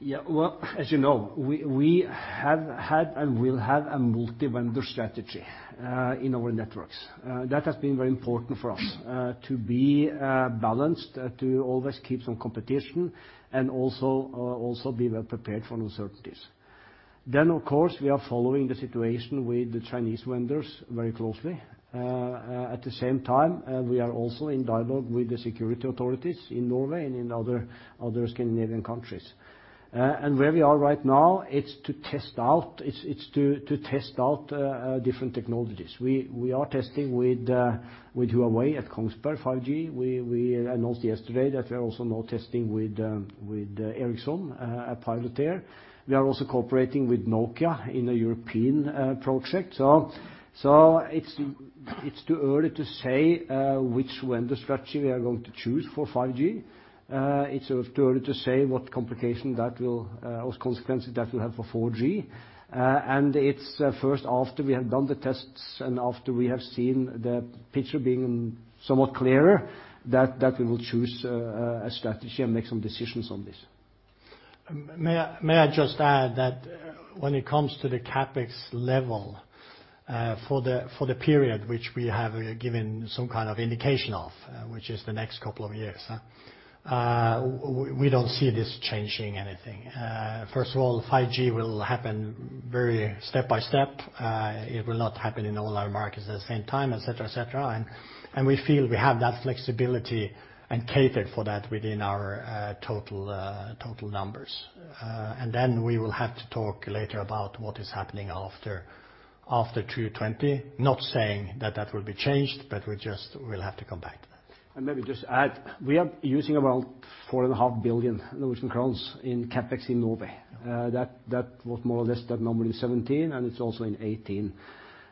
Yeah, well, as you know, we have had and will have a multi-vendor strategy in our networks. That has been very important for us to be balanced, to always keep some competition, and also be well prepared for uncertainties. Then, of course, we are following the situation with the Chinese vendors very closely. At the same time, we are also in dialogue with the security authorities in Norway and in other Scandinavian countries. And where we are right now, it's to test out different technologies. We are testing with Huawei at Kongsberg 5G. We announced yesterday that we are also now testing with Ericsson a pilot there. We are also cooperating with Nokia in a European project. So, it's too early to say which vendor strategy we are going to choose for 5G. It's too early to say what complication that will or consequences that will have for 4G. And it's first after we have done the tests and after we have seen the picture being somewhat clearer, that we will choose a strategy and make some decisions on this. May I, may I just add that when it comes to the CapEx level, for the period which we have given some kind of indication of, which is the next couple of years? We don't see this changing anything. First of all, 5G will happen very step-by-step. It will not happen in all our markets at the same time, et cetera, et cetera. And we feel we have that flexibility and catered for that within our total numbers. And then we will have to talk later about what is happening after 2020. Not saying that that will be changed, but we just we'll have to come back to that. I maybe just add, we are using around 4.5 billion Norwegian crowns in CapEx in Norway. That was more or less that number in 2017, and it's also in 2018.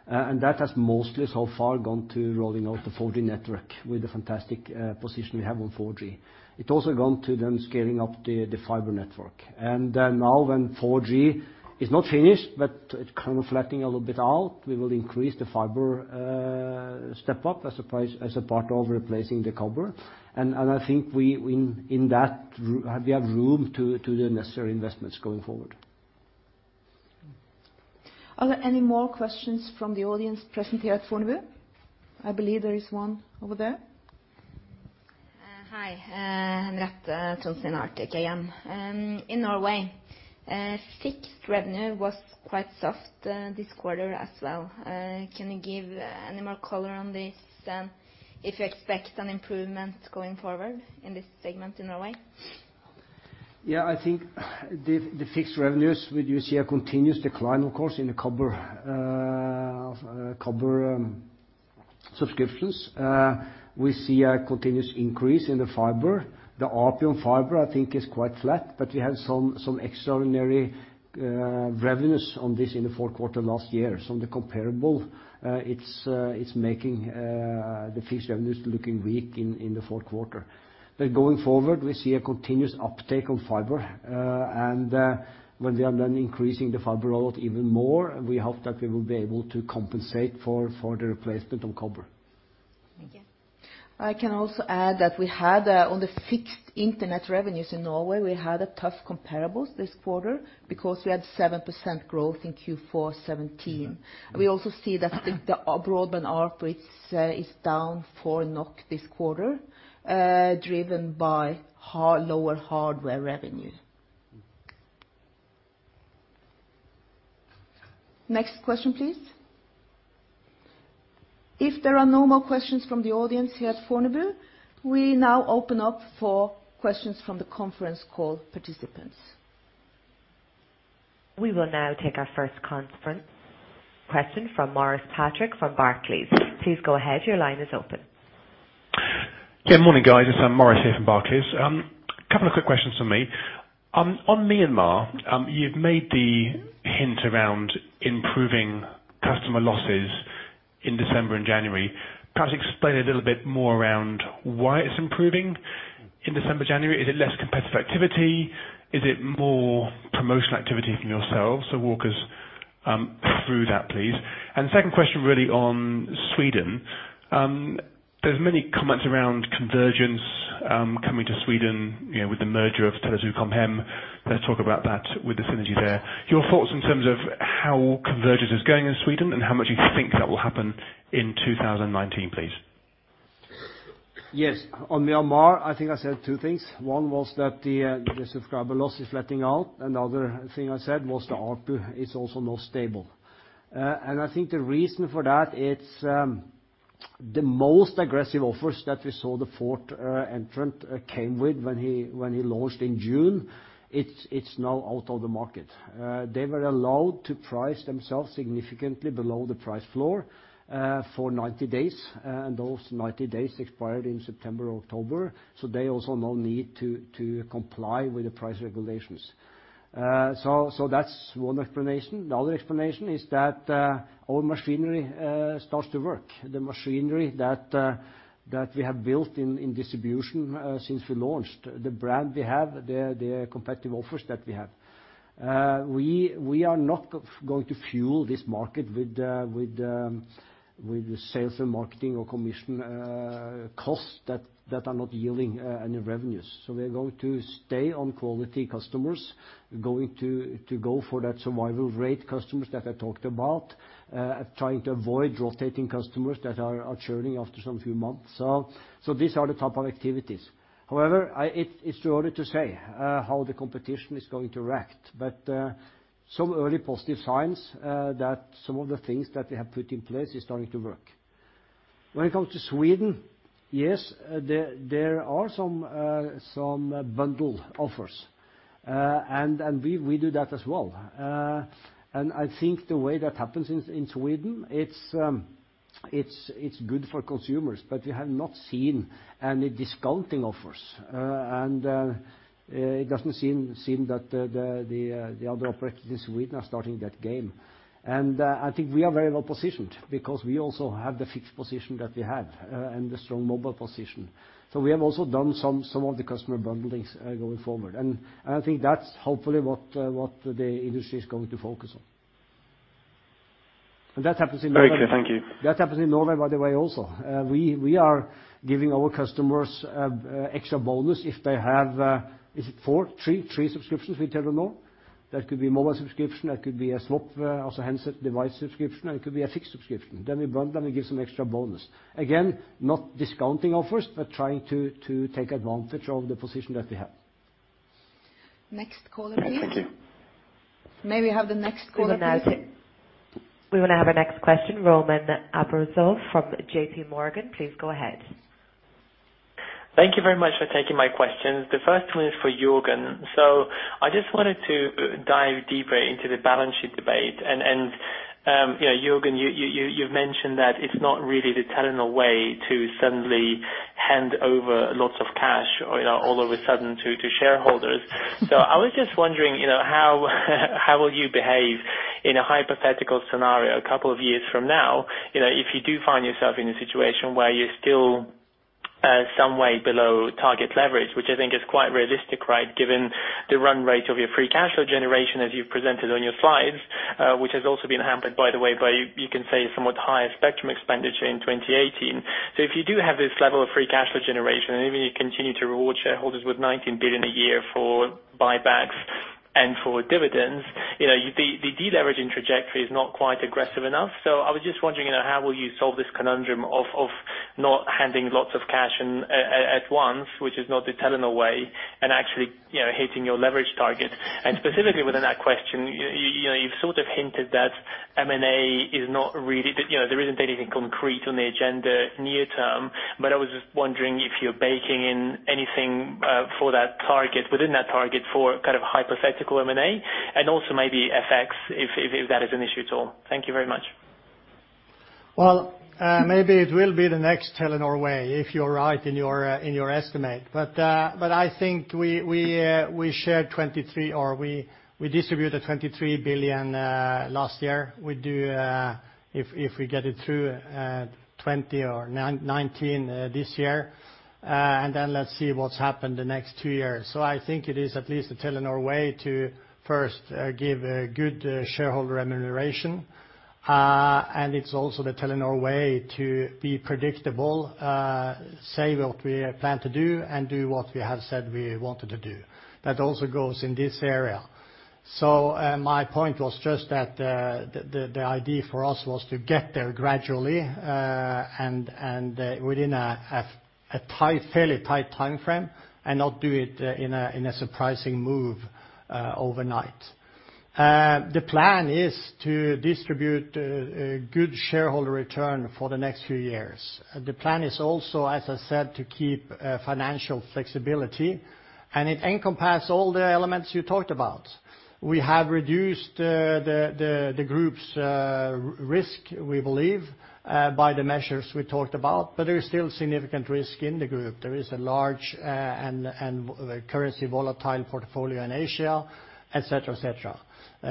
And that has mostly so far gone to rolling out the 4G network with the fantastic position we have on 4G. It also gone to then scaling up the fiber network. And now when 4G is not finished, but it kind of flattening a little bit out, we will increase the fiber step up as a price, as a part of replacing the copper. And I think we, in that, we have room to the necessary investments going forward. Are there any more questions from the audience present here at Fornebu? I believe there is one over there. Hi, Reta Thompson, RTKM. In Norway, fixed revenue was quite soft this quarter as well. Can you give any more color on this, and if you expect an improvement going forward in this segment in Norway? Yeah, I think the fixed revenues, we do see a continuous decline, of course, in the copper copper subscriptions. We see a continuous increase in the fiber. The ARPU on fiber, I think, is quite flat, but we have some extraordinary revenues on this in the fourth quarter last year. So the comparable, it's making the fixed revenues looking weak in the fourth quarter. But going forward, we see a continuous uptake on fiber. And when we are then increasing the fiber a lot, even more, we hope that we will be able to compensate for the replacement of copper. Thank you. I can also add that we had on the fixed internet revenues in Norway a tough comparables this quarter, because we had 7% growth in Q4 2017. Mm-hmm. We also see that the broadband ARPU is down 4 NOK this quarter, driven by lower hardware revenue. Mm. Next question, please. If there are no more questions from the audience here at Fornebu, we now open up for questions from the conference call participants. We will now take our first conference question from Maurice Patrick from Barclays. Please go ahead. Your line is open. Yeah, morning, guys. It's Maurice here from Barclays. A couple of quick questions from me. On Myanmar, you've made the hint around improving customer losses in December and January. Perhaps explain a little bit more around why it's improving in December, January. Is it less competitive activity? Is it more promotional activity from yourselves? So walk us through that, please. And second question, really on Sweden. There's many comments around convergence coming to Sweden, you know, with the merger of Telia Com Hem. Let's talk about that with the synergy there. Your thoughts in terms of how convergence is going in Sweden, and how much you think that will happen in 2019, please? Yes, on Myanmar, I think I said two things. One was that the subscriber loss is flattening out, and the other thing I said was the ARPU is also now stable. And I think the reason for that, it's- ...The most aggressive offers that we saw the fourth entrant came with when he launched in June, it's now out of the market. They were allowed to price themselves significantly below the price floor for 90 days, and those 90 days expired in September or October, so they also now need to comply with the price regulations. So that's one explanation. The other explanation is that our machinery starts to work. The machinery that we have built in distribution since we launched. The brand we have, the competitive offers that we have. We are not going to fuel this market with the sales and marketing or commission costs that are not yielding any revenues. So we are going to stay on quality customers, going to go for that survival rate customers that I talked about, trying to avoid rotating customers that are churning after some few months. So these are the type of activities. However, it's too early to say how the competition is going to react, but some early positive signs that some of the things that we have put in place is starting to work. When it comes to Sweden, yes, there are some bundle offers, and we do that as well. And I think the way that happens in Sweden, it's good for consumers, but we have not seen any discounting offers. And it doesn't seem that the other operators in Sweden are starting that game. And, I think we are very well positioned, because we also have the fixed position that we have, and the strong mobile position. So we have also done some, some of the customer bundlings, going forward. And I think that's hopefully what, what the industry is going to focus on. And that happens in- Very clear, thank you. That happens in Norway, by the way, also. We are giving our customers extra bonus if they have, is it 4? 3, 3 subscriptions with Telenor. That could be mobile subscription, that could be a SWAP, also handset device subscription, and it could be a fixed subscription. Then we give some extra bonus. Again, not discounting offers, but trying to take advantage of the position that we have. Next caller, please. Thank you. May we have the next caller, please? We will now have our next question, Roman Arbuzov from J.P. Morgan. Please go ahead. Thank you very much for taking my questions. The first one is for Jørgen. So I just wanted to dive deeper into the balance sheet debate, and, and, you know, Jørgen, you, you've mentioned that it's not really the Telenor way to suddenly hand over lots of cash, or, you know, all of a sudden to, to shareholders. So I was just wondering, you know, how will you behave in a hypothetical scenario a couple of years from now, you know, if you do find yourself in a situation where you're still, some way below target leverage, which I think is quite realistic, right? Given the run rate of your free cash flow generation as you've presented on your slides, which has also been hampered, by the way, by you can say, somewhat higher spectrum expenditure in 2018. So if you do have this level of free cash flow generation, and maybe you continue to reward shareholders with 19 billion a year for buybacks and for dividends, you know, the deleveraging trajectory is not quite aggressive enough. So I was just wondering, you know, how will you solve this conundrum of not handing lots of cash in at once, which is not the Telenor way, and actually, you know, hitting your leverage target? And specifically within that question, you know, you've sort of hinted that M&A is not really the - you know, there isn't anything concrete on the agenda near term, but I was just wondering if you're baking in anything for that target, within that target for kind of hypothetical M&A, and also maybe FX, if that is an issue at all. Thank you very much. Well, maybe it will be the next Telenor way, if you're right in your estimate. But, but I think we shared 23 billion, or we distributed 23 billion last year. We do, if we get it through, 20 billion or 19 billion this year, and then let's see what's happened the next two years. So I think it is at least the Telenor way to first give a good shareholder remuneration. And it's also the Telenor way to be predictable, say what we plan to do and do what we have said we wanted to do. That also goes in this area. So, my point was just that, the idea for us was to get there gradually, and within a fairly tight timeframe, and not do it in a surprising move overnight. The plan is to distribute a good shareholder return for the next few years. The plan is also, as I said, to keep financial flexibility, and it encompass all the elements you talked about. We have reduced the group's risk, we believe, by the measures we talked about, but there is still significant risk in the group. There is a large and currency volatile portfolio in Asia, et cetera, et cetera.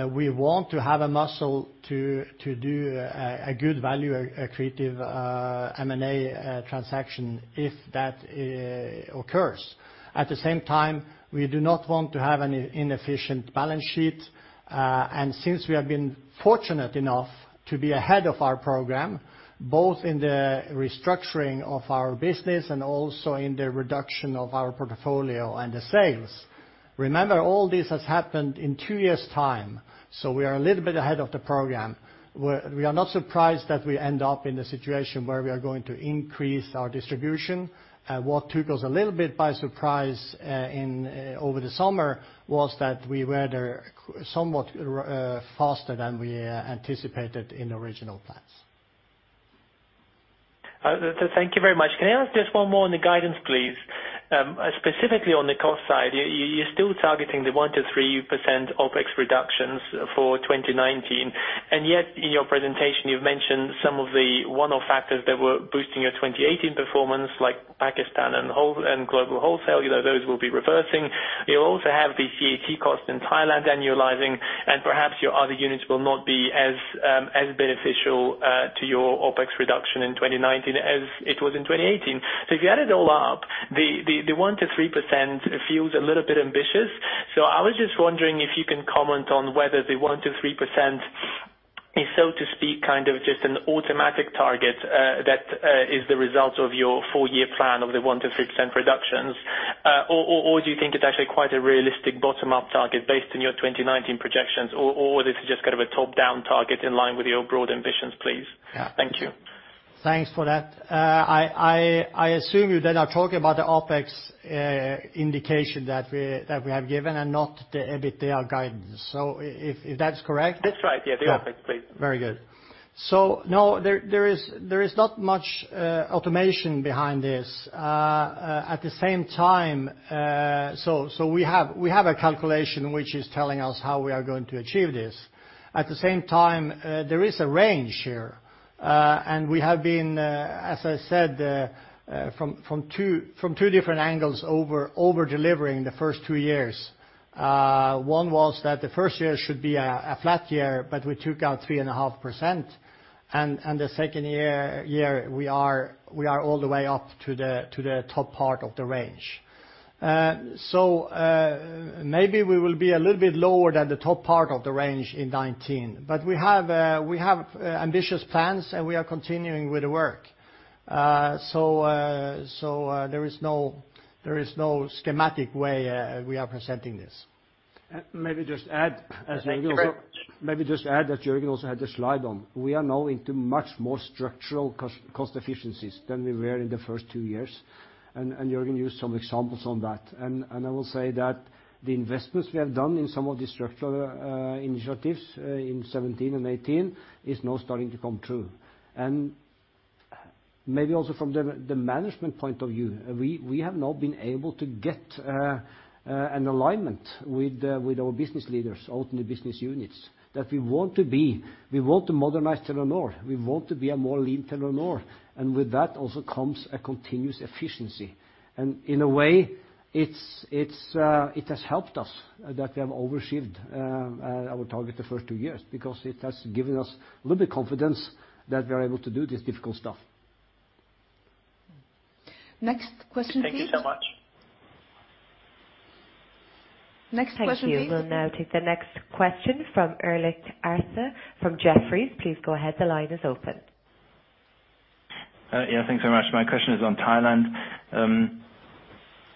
We want to have a muscle to do a good value, accretive M&A transaction, if that occurs. At the same time, we do not want to have an inefficient balance sheet, and since we have been fortunate enough to be ahead of our program, both in the restructuring of our business and also in the reduction of our portfolio and the sales, remember, all this has happened in two years' time, so we are a little bit ahead of the program. We are not surprised that we end up in a situation where we are going to increase our distribution. What took us a little bit by surprise, in over the summer, was that we were there somewhat faster than we anticipated in original plans. ... Thank you very much. Can I ask just one more on the guidance, please? Specifically on the cost side, you're still targeting the 1-3% OpEx reductions for 2019, and yet in your presentation, you've mentioned some of the one-off factors that were boosting your 2018 performance, like Pakistan and wholesale and Global Wholesale, you know, those will be reversing. You'll also have the CAT costs in Thailand annualizing, and Other Units will not be as beneficial to your OpEx reduction in 2019 as it was in 2018. So if you add it all up, the 1-3% feels a little bit ambitious. So I was just wondering if you can comment on whether the 1%-3% is, so to speak, kind of just an automatic target, that is the result of your four-year plan of the 1%-3% reductions? Or, or, or do you think it's actually quite a realistic bottom-up target based on your 2019 projections, or, or this is just kind of a top-down target in line with your broad ambitions, please? Yeah. Thank you. Thanks for that. I assume you then are talking about the OpEx indication that we have given and not the EBITDA guidance. So if that's correct? That's right, yeah, the OpEx, please. Very good. So no, there is not much automation behind this. At the same time, so we have a calculation which is telling us how we are going to achieve this. At the same time, there is a range here, and we have been, as I said, from two different angles over-delivering the first two years. One was that the first year should be a flat year, but we took out 3.5%. And the second year we are all the way up to the top part of the range. So, maybe we will be a little bit lower than the top part of the range in 2019, but we have ambitious plans, and we are continuing with the work. So, there is no schematic way we are presenting this. Maybe just add, as maybe also- Thank you very much. Maybe just add that Jørgen also had the slide on. We are now into much more structural cost efficiencies than we were in the first two years, and Jørgen used some examples on that. And I will say that the investments we have done in some of the structural initiatives in 2017 and 2018 is now starting to come true. And maybe also from the management point of view, we have now been able to get an alignment with our business leaders out in the business units, that we want to be—we want to modernize Telenor. We want to be a more lean Telenor, and with that also comes a continuous efficiency. And in a way, it has helped us that we have overachieved our target the first two years, because it has given us a little bit confidence that we are able to do this difficult stuff. Next question, please. Thank you so much. Next question, please. Thank you. We'll now take the next question from Ulrich Rathe, from Jefferies. Please go ahead, the line is open. Yeah, thanks so much. My question is on Thailand.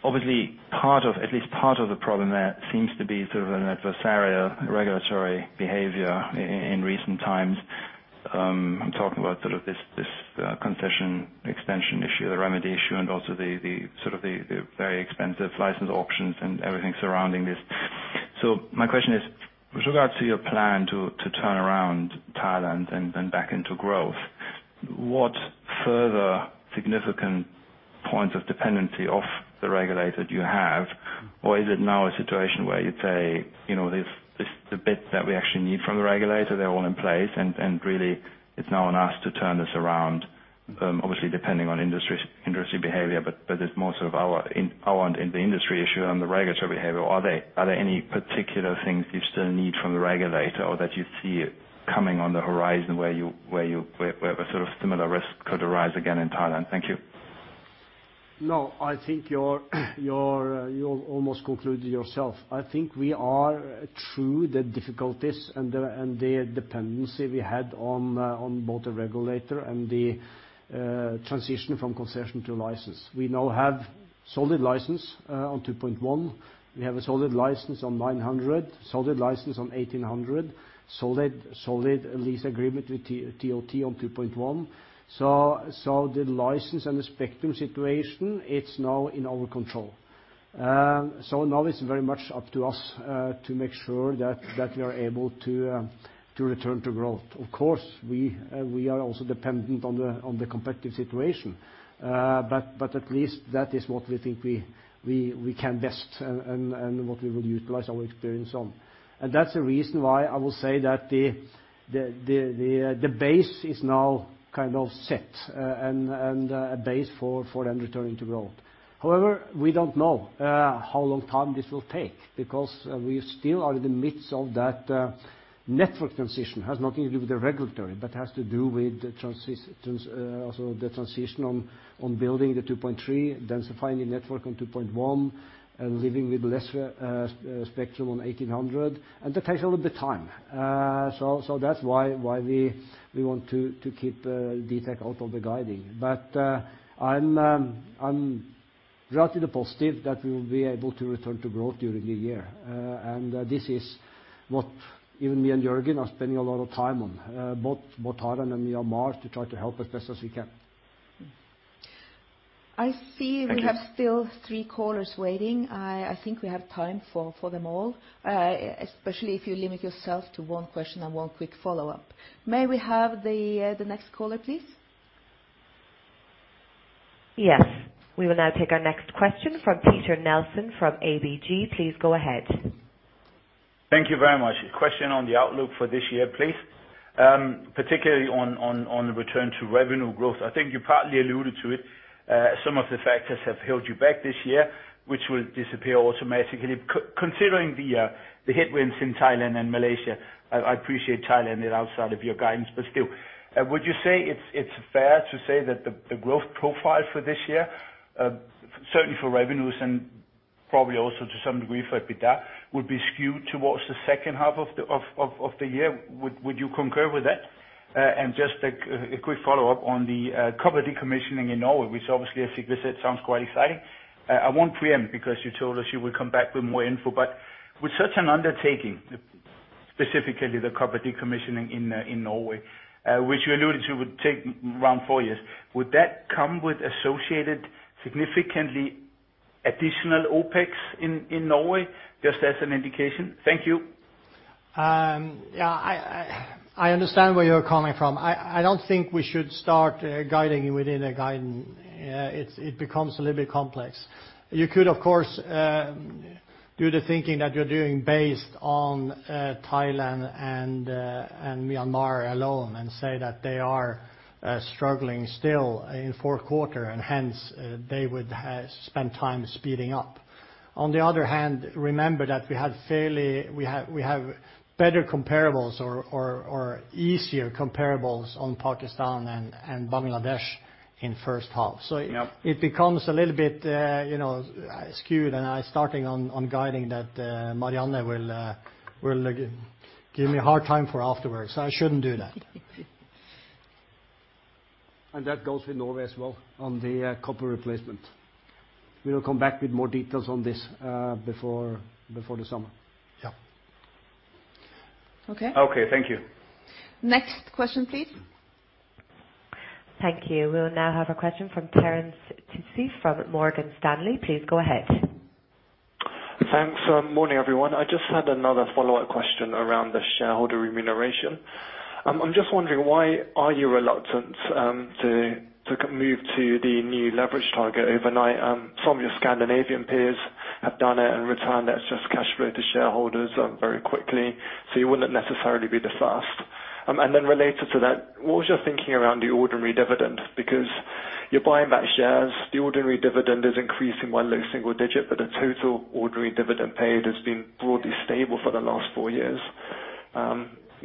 Obviously, part of, at least part of the problem there seems to be sort of an adversarial regulatory behavior in recent times. I'm talking about sort of this, this, concession extension issue, the remedy issue, and also the sort of the very expensive license auctions and everything surrounding this. So my question is, with regards to your plan to turn around Thailand and back into growth, what further significant points of dependency of the regulator do you have? Or is it now a situation where you'd say, you know, this the bit that we actually need from the regulator, they're all in place, and really it's now on us to turn this around? Obviously, depending on industry behavior, but it's more sort of our own and in the industry issue and the regulatory behavior. Are there any particular things you still need from the regulator or that you see coming on the horizon where a sort of similar risk could arise again in Thailand? Thank you. No, I think you're, you're, you almost concluded yourself. I think we are through the difficulties and the, and the dependency we had on, on both the regulator and the, transition from concession to license. We now have solid license, on 2.1. We have a solid license on 900, solid license on 1800, solid, solid lease agreement with TOT on 2.1. So, so the license and the spectrum situation, it's now in our control. So now it's very much up to us, to make sure that, that we are able to, to return to growth. Of course, we, we are also dependent on the, on the competitive situation. But, but at least that is what we think we, we, we can best and, and, and what we will utilize our experience on. That's the reason why I will say that the base is now kind of set, and a base for then returning to growth. However, we don't know how long time this will take, because we still are in the midst of that network transition. It has nothing to do with the regulatory, but has to do with also the transition on building the 2.3, densifying the network on 2.1, and living with less spectrum on 1,800, and that takes a little bit time. That's why we want to keep detail out of the guiding. I'm relatively positive that we will be able to return to growth during the year. This is what even me and Jørgen are spending a lot of time on, both Thailand and Myanmar, to try to help as best as we can. ... I see we have still three callers waiting. I think we have time for them all, especially if you limit yourself to one question and one quick follow-up. May we have the next caller, please? Yes, we will now take our next question from Peter Nielsen from ABG. Please go ahead. Thank you very much. A question on the outlook for this year, please. Particularly on the return to revenue growth. I think you partly alluded to it. Some of the factors have held you back this year, which will disappear automatically. Considering the headwinds in Thailand and Malaysia, I appreciate Thailand is outside of your guidance, but still, would you say it's fair to say that the growth profile for this year, certainly for revenues and probably also to some degree for EBITDA, would be skewed towards the second half of the year? Would you concur with that? And just a quick follow-up on the copper decommissioning in Norway, which obviously, I think we said, sounds quite exciting. I won't preempt, because you told us you would come back with more info. But with such an undertaking, specifically the copper decommissioning in Norway, which you alluded to would take around four years, would that come with associated significantly additional OpEx in Norway? Just as an indication. Thank you. Yeah, I understand where you're coming from. I don't think we should start guiding you within a guidance. It becomes a little bit complex. You could, of course, do the thinking that you're doing based on Thailand and Myanmar alone, and say that they are struggling still in fourth quarter, and hence, they would spend time speeding up. On the other hand, remember that we have better comparables or easier comparables on Pakistan and Bangladesh in first half. Yep. So it becomes a little bit, you know, skewed, and I starting on guiding that. Marianne will give me a hard time for afterwards. I shouldn't do that. That goes with Norway as well, on the copper replacement. We will come back with more details on this before the summer. Yeah. Okay. Okay. Thank you. Next question, please. Thank you. We'll now have a question from Terence Tsui from Morgan Stanley. Please go ahead. Thanks. Morning, everyone. I just had another follow-up question around the shareholder remuneration. I'm just wondering, why are you reluctant to move to the new leverage target overnight? Some of your Scandinavian peers have done it and returned excess cash flow to shareholders very quickly, so you wouldn't necessarily be the first. And then related to that, what was your thinking around the ordinary dividend? Because you're buying back shares, the ordinary dividend is increasing by low single digit, but the total ordinary dividend paid has been broadly stable for the last four years,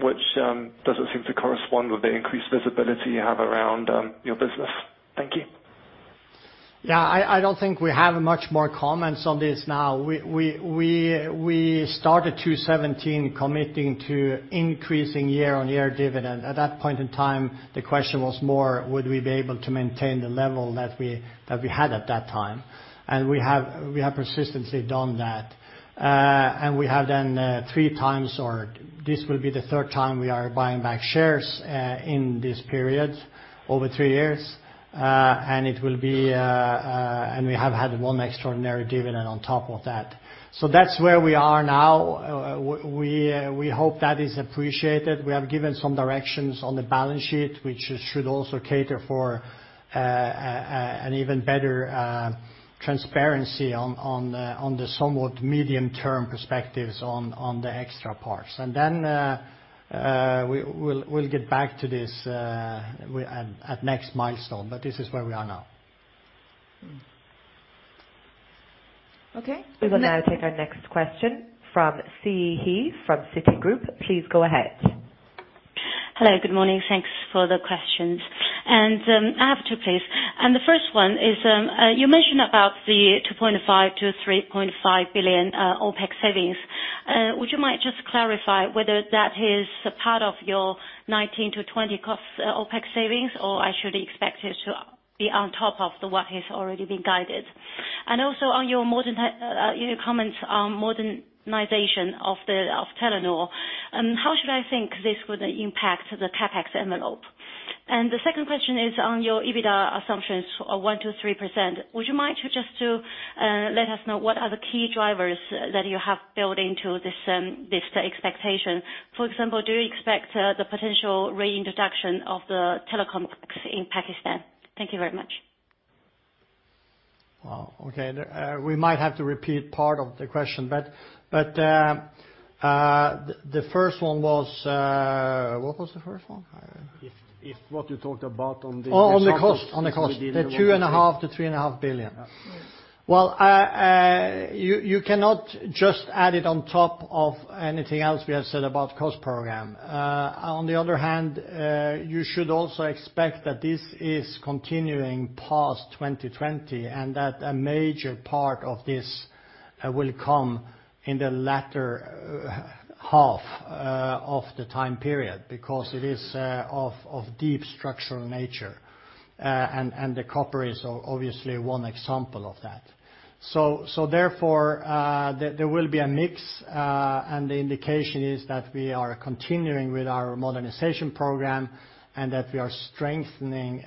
which doesn't seem to correspond with the increased visibility you have around your business. Thank you. Yeah, I don't think we have much more comments on this now. We started 2017 committing to increasing year-on-year dividend. At that point in time, the question was more, would we be able to maintain the level that we had at that time? And we have persistently done that. And we have done three times, or this will be the third time we are buying back shares in this period over three years. And we have had one extraordinary dividend on top of that. So that's where we are now. We hope that is appreciated. We have given some directions on the balance sheet, which should also cater for an even better transparency on the somewhat medium-term perspectives on the extra parts. And then, we'll get back to this at next milestone, but this is where we are now. Okay. We will now take our next question from Siyi He from Citigroup. Please go ahead. Hello, good morning. Thanks for the questions. I have two, please. The first one is, you mentioned about the 2.5 billion-3.5 billion OpEx savings. Would you might just clarify whether that is a part of your 19-20 cost OpEx savings, or I should expect it to be on top of what has already been guided? Also, on your modernization comments on modernization of Telenor, how should I think this would impact the CapEx envelope? The second question is on your EBITDA assumptions of 1%-3%. Would you mind to just to let us know what are the key drivers that you have built into this expectation? For example, do you expect the potential reintroduction of the telecom tax in Pakistan? Thank you very much. Well, okay. We might have to repeat part of the question, but the first one was... What was the first one? I- If what you talked about on the- Oh, on the cost, on the cost. The 2.5 billion-3.5 billion. Yeah. Well, you cannot just add it on top of anything else we have said about cost program. On the other hand, you should also expect that this is continuing past 2020, and that a major part of this will come in the latter half of the time period, because it is of deep structural nature. And the copper is obviously one example of that... So therefore, there will be a mix, and the indication is that we are continuing with our modernization program, and that we are strengthening,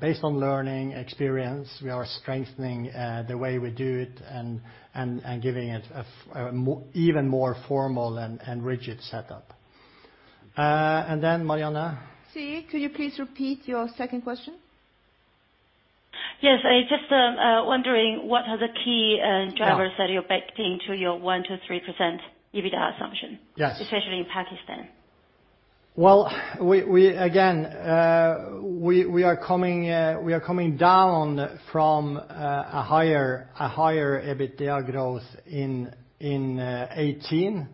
based on learning experience, the way we do it and giving it an even more formal and rigid setup. And then Marianne? Yes, could you please repeat your second question? Yes, I just wondering what are the key drivers? Yeah. -that you're backing to your 1%-3% EBITDA assumption- Yes. -especially in Pakistan? Well, we again are coming down from a higher EBITDA growth in 2018.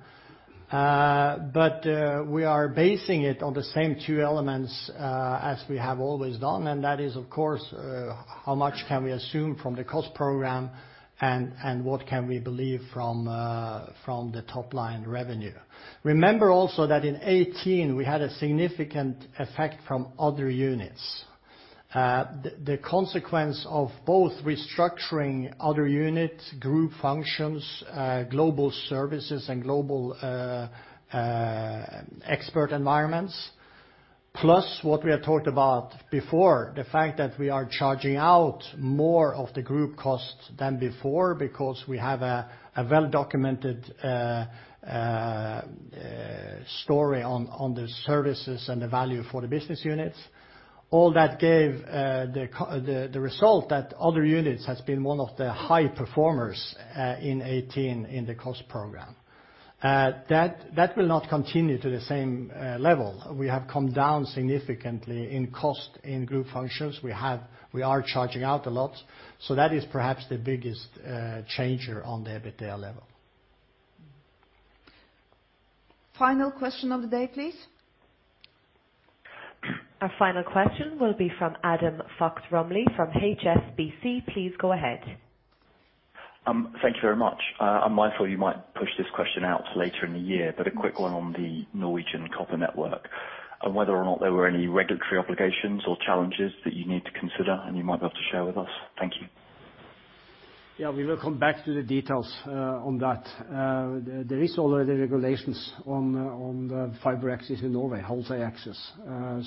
But we are basing it on the same two elements as we have always done, and that is, of course, how much can we assume from the cost program, and what can we believe from the top line revenue? Remember also that in 2018, we had a significant effect Other Units. the consequence of both Other Units, Group Functions, Global Services, and global expert environments, plus what we have talked about before, the fact that we are charging out more of the group costs than before, because we have a well-documented story on the services and the value for the business units. All that gave the result Other Units has been one of the high performers in 2018 in the cost program. That will not continue to the same level. We have come down significantly in cost, in Group Functions. We have. We are charging out a lot, so that is perhaps the biggest changer on the EBITDA level. Final question of the day, please. Our final question will be from Adam Fox-Rumley, from HSBC. Please go ahead. Thank you very much. I'm mindful you might push this question out till later in the year- Yes. But a quick one on the Norwegian copper network, and whether or not there were any regulatory obligations or challenges that you need to consider, and you might be able to share with us? Thank you. Yeah, we will come back to the details on that. There is already regulations on the fiber access in Norway, wholesale access.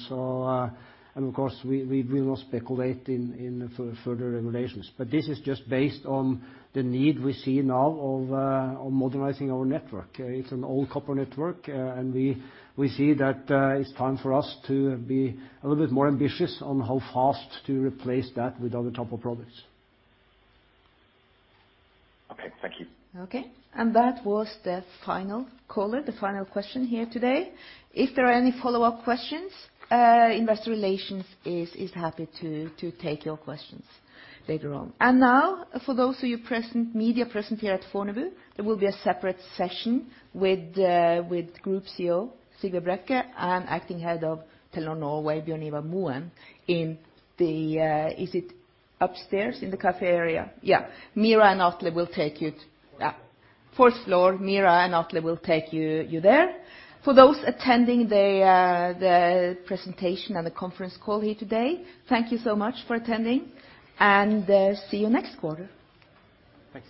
So, and of course, we will not speculate in further regulations. But this is just based on the need we see now of on modernizing our network. It's an old copper network, and we see that it's time for us to be a little bit more ambitious on how fast to replace that with other type of products. Okay, thank you. Okay, and that was the final caller, the final question here today. If there are any follow-up questions, investor relations is happy to take your questions later on. And now, for those of you present, media present here at Fornebu, there will be a separate session with the Group CEO, Sigve Brekke, and Acting Head of Telenor Norway, Bjørn Ivar Moen, in the, is it upstairs in the café area? Yeah, Mira and Atle will take you... Yeah. Fourth floor, Mira and Atle will take you, you there. For those attending the presentation and the conference call here today, thank you so much for attending, and see you next quarter. Thank you.